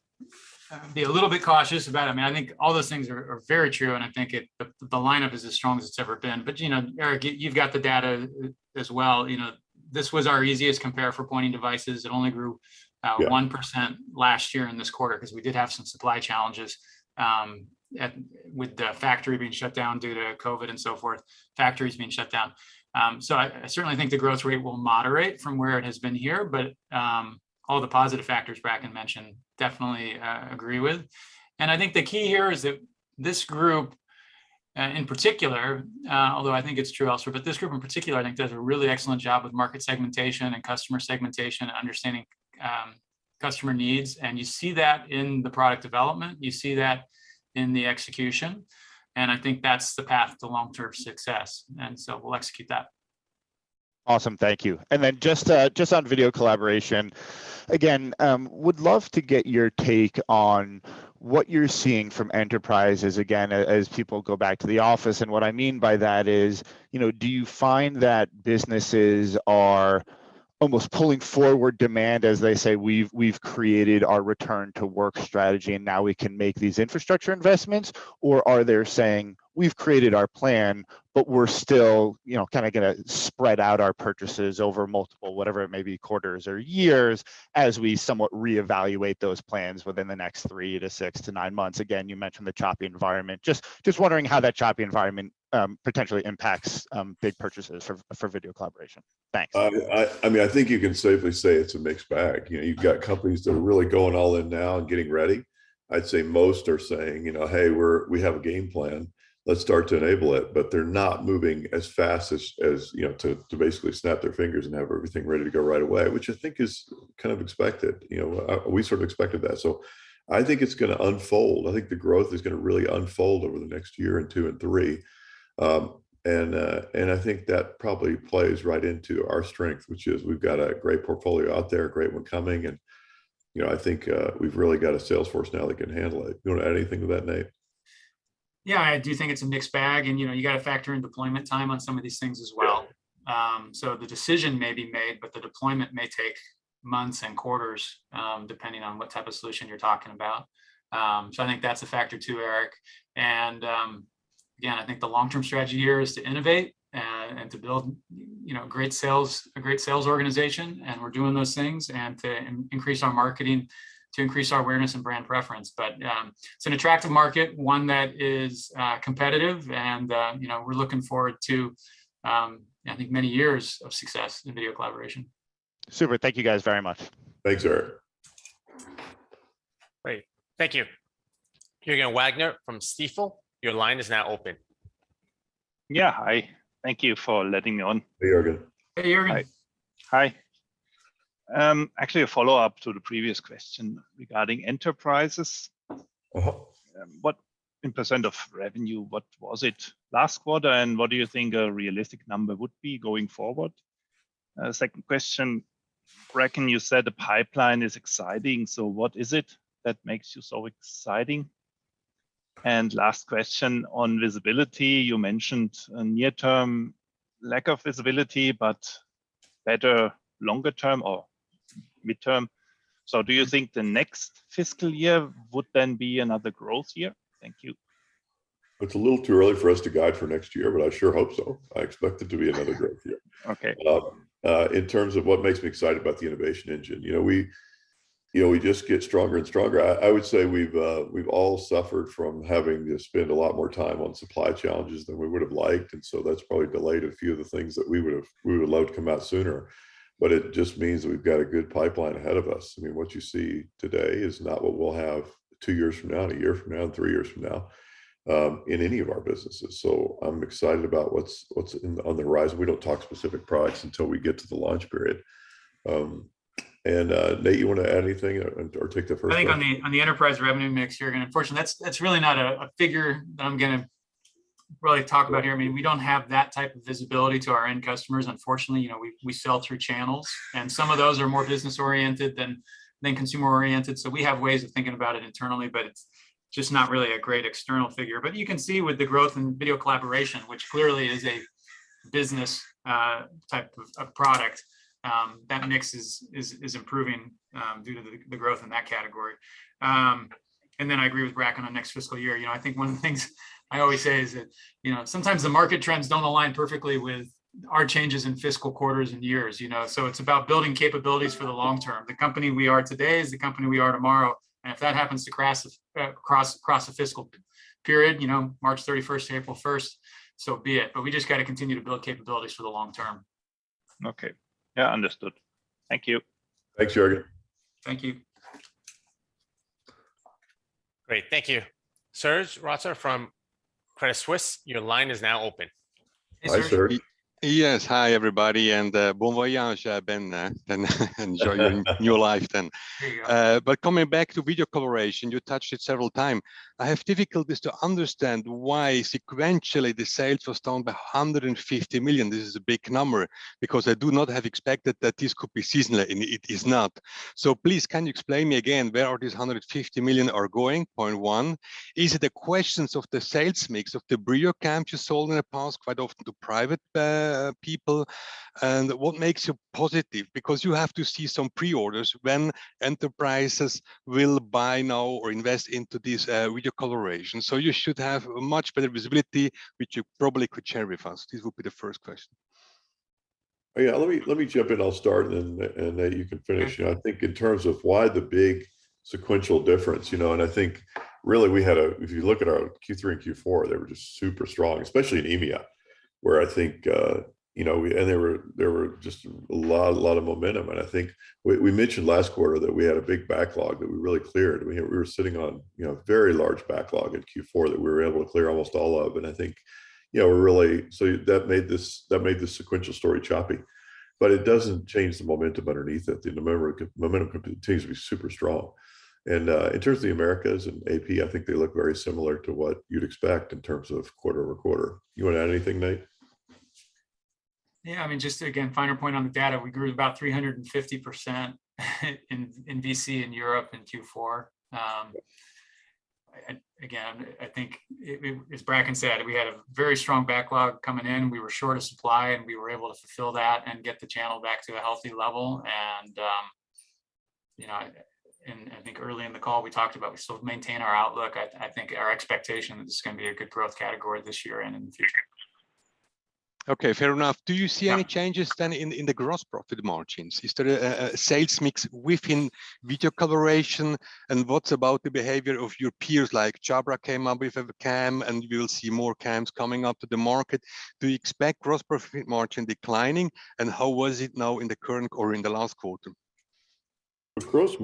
be a little bit cautious about it. I think all those things are very true, and I think the lineup is as strong as it's ever been. Erik, you've got the data as well. This was our easiest compare for pointing devices. It only grew 1% last year in this quarter because we did have some supply challenges with the factory being shut down due to COVID and so forth, factories being shut down. I certainly think the growth rate will moderate from where it has been here. All the positive factors Bracken mentioned, definitely agree with. I think the key here is that this group in particular, although I think it's true elsewhere, but this group in particular I think does a really excellent job with market segmentation and customer segmentation and understanding customer needs. You see that in the product development, you see that in the execution, and I think that's the path to long-term success, and so we'll execute that. Awesome, thank you. Then just on video collaboration, again, would love to get your take on what you're seeing from enterprises, again, as people go back to the office. What I mean by that is, do you find that businesses are almost pulling forward demand, as they say, "We've created our return to work strategy, and now we can make these infrastructure investments?" Or are they saying, "We've created our plan, but we're still kind of going to spread out our purchases over multiple," whatever it may be, "quarters or years as we somewhat reevaluate those plans within the next three to six to nine months." Again, you mentioned the choppy environment. Just wondering how that choppy environment potentially impacts big purchases for video collaboration. Thanks. I think you can safely say it's a mixed bag. You've got companies that are really going all in now and getting ready. I'd say most are saying, "Hey, we have a game plan. Let's start to enable it." They're not moving as fast as to basically snap their fingers and have everything ready to go right away, which I think is kind of expected. We sort of expected that. I think it's going to unfold. I think the growth is going to really unfold over the next year and two and three. I think that probably plays right into our strength, which is we've got a great portfolio out there, a great one coming, and I think we've really got a sales force now that can handle it. You want to add anything to that, Nate? Yeah, I do think it's a mixed bag, and you got to factor in deployment time on some of these things as well. The decision may be made, but the deployment may take months and quarters, depending on what type of solution you're talking about. I think that's a factor, too, Erik. Again, I think the long-term strategy here is to innovate and to build a great sales organization, and we're doing those things, and to increase our marketing to increase our awareness and brand preference. It's an attractive market, one that is competitive, and we're looking forward to I think many years of success in video collaboration. Super. Thank you guys very much. Thanks, Erik. Great. Thank you. Juergen Wagner from Stifel, your line is now open. Yeah. Hi. Thank you for letting me on. Hey, Juergen. Hey, Juergen. Hi. Actually a follow-up to the previous question regarding enterprises. What, in percent of revenue, what was it last quarter, and what do you think a realistic number would be going forward? Second question, Bracken, you said the pipeline is exciting, so what is it that makes you so exciting? Last question on visibility, you mentioned a near-term lack of visibility, but better longer term or midterm. Do you think the next fiscal year would then be another growth year? Thank you. It's a little too early for us to guide for next year, but I sure hope so. I expect it to be another growth year. Okay. In terms of what makes me excited about the innovation engine, we just get stronger and stronger. I would say we've all suffered from having to spend a lot more time on supply challenges than we would've liked. That's probably delayed a few of the things that we would've loved to come out sooner. It just means that we've got a good pipeline ahead of us. What you see today is not what we'll have two years from now, and a year from now, and three years from now in any of our businesses. I'm excited about what's on the horizon. We don't talk specific products until we get to the launch period. Nate, you want to add anything or take the first crack? I think on the enterprise revenue mix, Juergen, unfortunately, that's really not a figure that I'm going to really talk about here. We don't have that type of visibility to our end customers, unfortunately. We sell through channels, and some of those are more business-oriented than consumer-oriented. We have ways of thinking about it internally, but it's just not really a great external figure. You can see with the growth in video collaboration, which clearly is a business type of product, that mix is improving due to the growth in that category. I agree with Bracken on next fiscal year. One of the things I always say is that sometimes the market trends don't align perfectly with our changes in fiscal quarters and years. It's about building capabilities for the long term. The company we are today is the company we are tomorrow, and if that happens to cross a fiscal period, March 31st to April 1st, so be it. We just got to continue to build capabilities for the long term. Okay. Yeah, understood. Thank you. Thanks, Juergen. Thank you. Great. Thank you. Serge Rotzer from Credit Suisse, your line is now open. Serge? Hi, Serge. Yes. Hi everybody, and bon voyage, Ben. Enjoy your new life then. There you go. Coming back to video collaboration, you touched it several time. I have difficulties to understand why sequentially the sales was down by $150 million. This is a big number, because I do not have expected that this could be seasonal, and it is not. Please, can you explain me again where are these $150 million are going, point one? Is it a questions of the sales mix, of the Brio cams you sold in the past quite often to private people? What makes you positive? Because you have to see some pre-orders when enterprises will buy now or invest into this video collaboration. You should have much better visibility, which you probably could share with us. This would be the first question. Yeah, let me jump in. I'll start, Nate, you can finish. I think in terms of why the big sequential difference, and I think really if you look at our Q3 and Q4, they were just super strong, especially in EMEA, where I think there were just a lot of momentum. I think we mentioned last quarter that we had a big backlog that we really cleared. We were sitting on a very large backlog in Q4 that we were able to clear almost all of, and I think that made the sequential story choppy. It doesn't change the momentum underneath it. The momentum continues to be super strong. In terms of the Americas and AP, I think they look very similar to what you'd expect in terms of quarter-over-quarter. You want to add anything, Nate? Yeah. Just again, finer point on the data. We grew about 350% in DACH and Europe in Q4. Again, I think as Bracken said, we had a very strong backlog coming in. We were short of supply, and we were able to fulfill that and get the channel back to a healthy level. I think early in the call we talked about we still have maintained our outlook. I think our expectation is it's going to be a good growth category this year and in the future. Okay, fair enough. Do you see any changes, then, in the gross profit margins? Is there a sales mix within video collaboration? What about the behavior of your peers, like Jabra came up with a cam, and we'll see more cams coming up to the market. Do you expect gross profit margin declining, and how was it now in the current or in the last quarter? Gross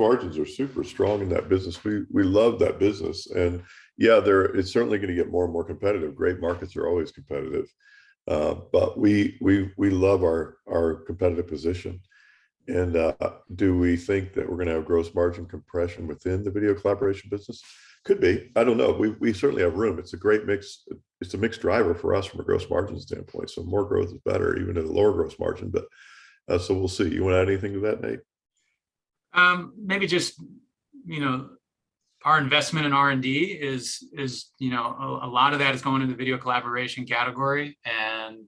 margins are super strong in that business. We love that business. Yeah, it's certainly going to get more and more competitive. Great markets are always competitive. We love our competitive position. Do we think that we're going to have gross margin compression within the video collaboration business? Could be. I don't know. We certainly have room. It's a great mix driver for us from a gross margins standpoint. More growth is better, even at a lower gross margin. We'll see. You want to add anything to that, Nate? Maybe just our investment in R&D is a lot of that is going in the video collaboration category, and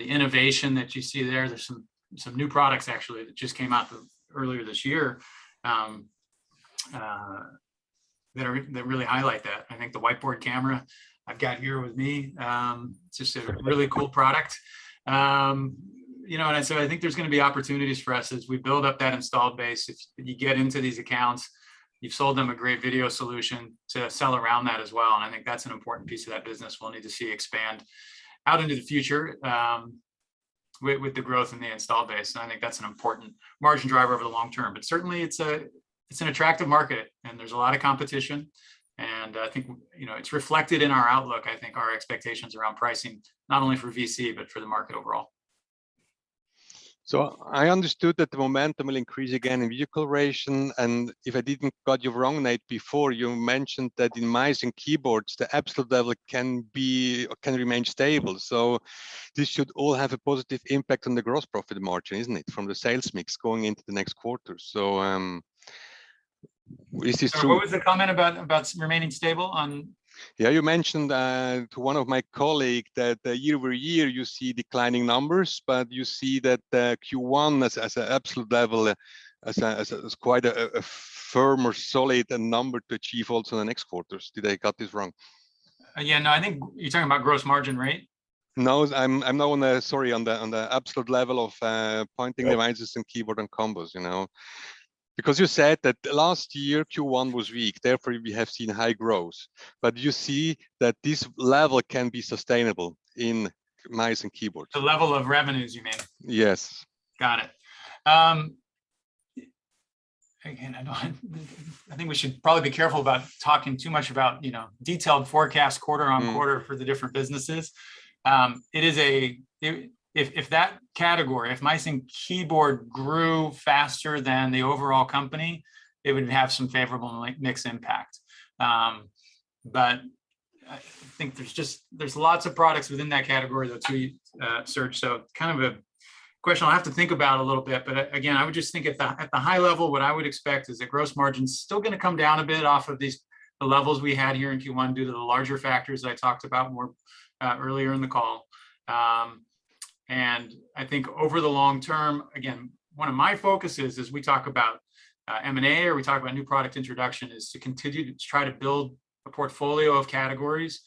the innovation that you see there's some new products actually that just came out earlier this year that really highlight that. I think the whiteboard camera I've got here with me, it's just a really cool product. I think there's going to be opportunities for us as we build up that installed base. If you get into these accounts, you've sold them a great video solution to sell around that as well. I think that's an important piece of that business we'll need to see expand out into the future. With the growth in the install base, I think that's an important margin driver over the long term. Certainly, it's an attractive market. There's a lot of competition. I think it's reflected in our outlook. I think our expectations around pricing, not only for VC, but for the market overall. I understood that the momentum will increase again in video collaboration, and if I didn't get you wrong, Nate, before you mentioned that in mice and keyboards, the absolute level can remain stable. This should all have a positive impact on the gross profit margin, isn't it, from the sales mix going into the next quarter? Is this true? What was the comment about remaining stable? Yeah, you mentioned to one of my colleagues that year-over-year, you see declining numbers, but you see that Q1 as an absolute level is quite a firmer, solid number to achieve also in the next quarters. Did I get this wrong? No, I think you're talking about gross margin rate? I'm now on the, sorry, on the absolute level of pointing devices and keyboard and combos. You said that last year, Q1 was weak, therefore we have seen high growth. You see that this level can be sustainable in mice and keyboards. The level of revenues, you mean? Yes. Got it. I think we should probably be careful about talking too much about detailed forecast quarter-on-quarter for the different businesses. If that category, if mice and keyboard grew faster than the overall company, it would have some favorable mix impact. I think there's lots of products within that category that we search, kind of a question I'll have to think about a little bit. I would just think at the high level, what I would expect is the gross margin's still going to come down a bit off of the levels we had here in Q1 due to the larger factors that I talked about more earlier in the call. I think over the long term, again, one of my focuses as we talk about M&A or we talk about new product introduction, is to continue to try to build a portfolio of categories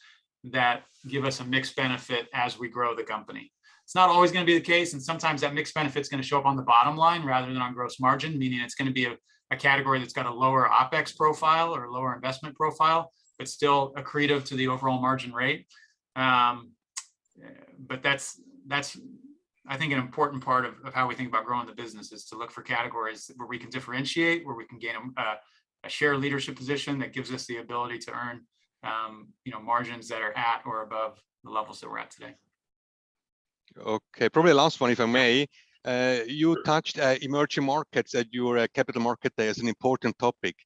that give us a mixed benefit as we grow the company. It's not always going to be the case, and sometimes that mixed benefit is going to show up on the bottom line rather than on gross margin, meaning it's going to be a category that's got a lower OpEx profile or lower investment profile, but still accretive to the overall margin rate. That's I think an important part of how we think about growing the business, is to look for categories where we can differentiate, where we can gain a shared leadership position that gives us the ability to earn margins that are at or above the levels that we're at today. Okay. Probably last one, if I may. You touched emerging markets at your capital market day as an important topic.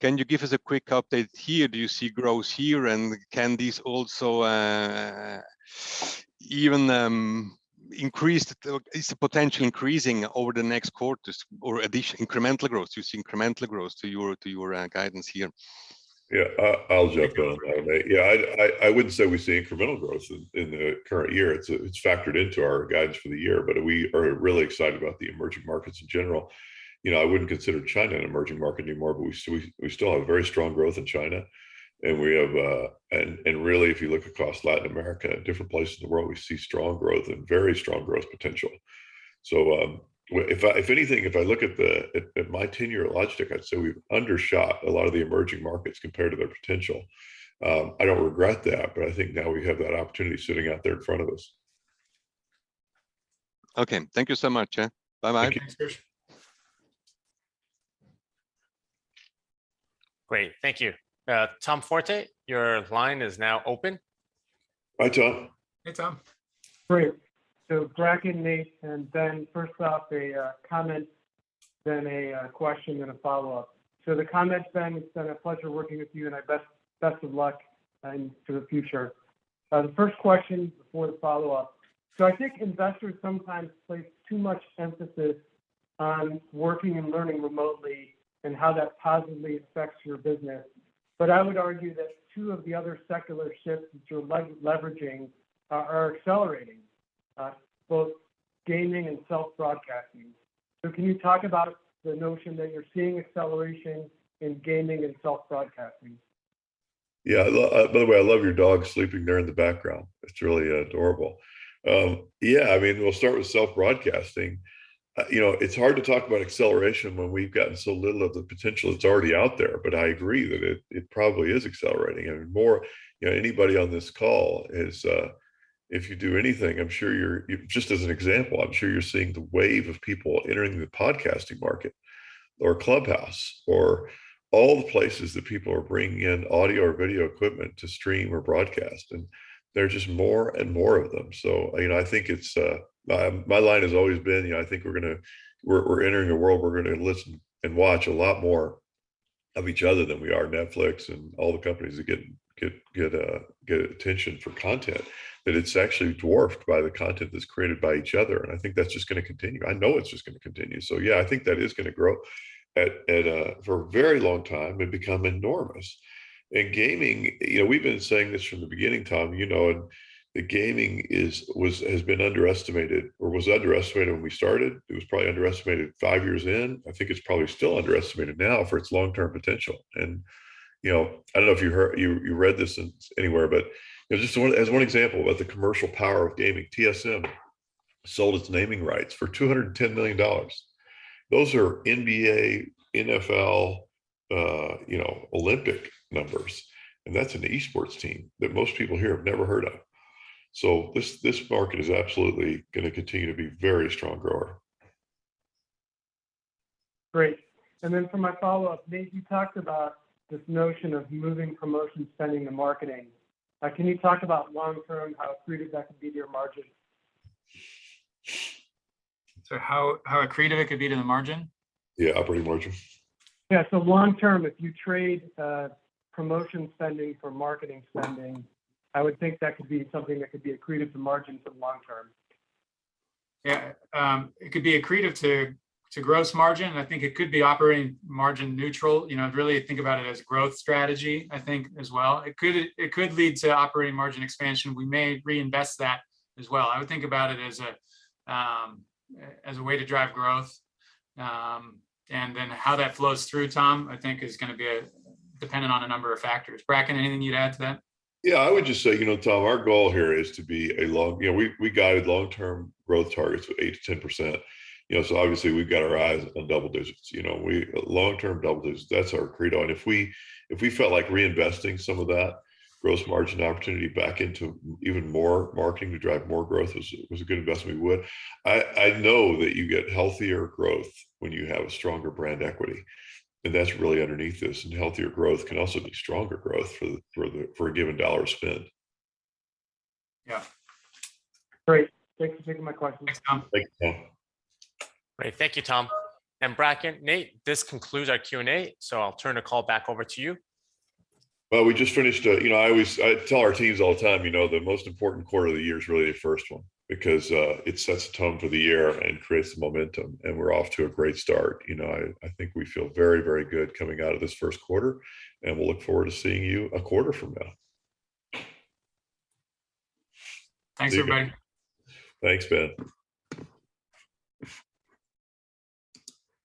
Can you give us a quick update here? Do you see growth here, and can this also even increase? Is the potential increasing over the next quarters or incremental growth to your guidance here? Yeah, I'll jump in on that. Yeah, I wouldn't say we see incremental growth in the current year. It's factored into our guidance for the year, but we are really excited about the emerging markets in general. I wouldn't consider China an emerging market anymore, but we still have very strong growth in China. Really if you look across Latin America and different places in the world, we see strong growth and very strong growth potential. If anything, if I look at my tenure at Logitech, I'd say we've undershot a lot of the emerging markets compared to their potential. I don't regret that, but I think now we have that opportunity sitting out there in front of us. Okay. Thank you so much. Bye-bye. Great. Thank you. Tom Forte, your line is now open. Hi, Tom. Hey, Tom. Great. Bracken, Nate, and Ben, first off, a comment, then a question, then a follow-up. The comment, Ben, it's been a pleasure working with you, and best of luck for the future. The first question before the follow-up. I think investors sometimes place too much emphasis on working and learning remotely and how that positively affects your business. I would argue that two of the other secular shifts that you're leveraging are accelerating, both gaming and self-broadcasting. Can you talk about the notion that you're seeing acceleration in gaming and self-broadcasting? Yeah. By the way, I love your dog sleeping there in the background. It's really adorable. We'll start with self-broadcasting. It's hard to talk about acceleration when we've gotten so little of the potential that's already out there, but I agree that it probably is accelerating. Anybody on this call is, if you do anything, just as an example, I'm sure you're seeing the wave of people entering the podcasting market or Clubhouse or all the places that people are bringing in audio or video equipment to stream or broadcast, and there are just more and more of them. My line has always been, I think we're entering a world, we're going to listen and watch a lot more of each other than we are Netflix and all the companies that get attention for content. That it's actually dwarfed by the content that's created by each other, and I think that's just going to continue. I know it's just going to continue. Yeah, I think that is going to grow for a very long time and become enormous. In gaming, we've been saying this from the beginning, Tom Forte, the gaming has been underestimated or was underestimated when we started. It was probably underestimated five years in. I think it's probably still underestimated now for its long-term potential. I don't know if you read this anywhere, but just as one example about the commercial power of gaming, TSM sold its naming rights for $210 million. Those are NBA, NFL, Olympic numbers, and that's an esports team that most people here have never heard of. This market is absolutely going to continue to be very strong grower. Great. For my follow-up, Nate, you talked about this notion of moving promotion spending to marketing. Can you talk about long term how accretive that could be to your margin? How accretive it could be to the margin? Yeah, operating margin. Yeah. Long term, if you trade promotion spending for marketing spending, I would think that could be something that could be accretive to margin sort of long term. Yeah. It could be accretive to gross margin, and I think it could be operating margin neutral. Really think about it as a growth strategy, I think as well. It could lead to operating margin expansion. We may reinvest that as well. I would think about it as a way to drive growth. How that flows through, Tom, I think is going to be dependent on a number of factors. Bracken, anything you'd add to that? I would just say, Tom, we guided long-term growth targets of 8%-10%, obviously we've got our eyes on double digits. Long-term double digits, that's our credo. If we felt like reinvesting some of that gross margin opportunity back into even more marketing to drive more growth was a good investment, we would. I know that you get healthier growth when you have a stronger brand equity, and that's really underneath this. Healthier growth can also be stronger growth for a given dollar spent. Yeah. Great. Thank you. Those are my questions. Thanks, Tom. Great. Thank you, Tom. Bracken, Nate, this concludes our Q&A, so I'll turn the call back over to you. Well, I tell our teams all the time, the most important quarter of the year is really the first one, because it sets the tone for the year and creates the momentum, and we're off to a great start. I think we feel very good coming out of this Q1, and we'll look forward to seeing you a quarter from now. Thanks, everybody. Thanks, Ben.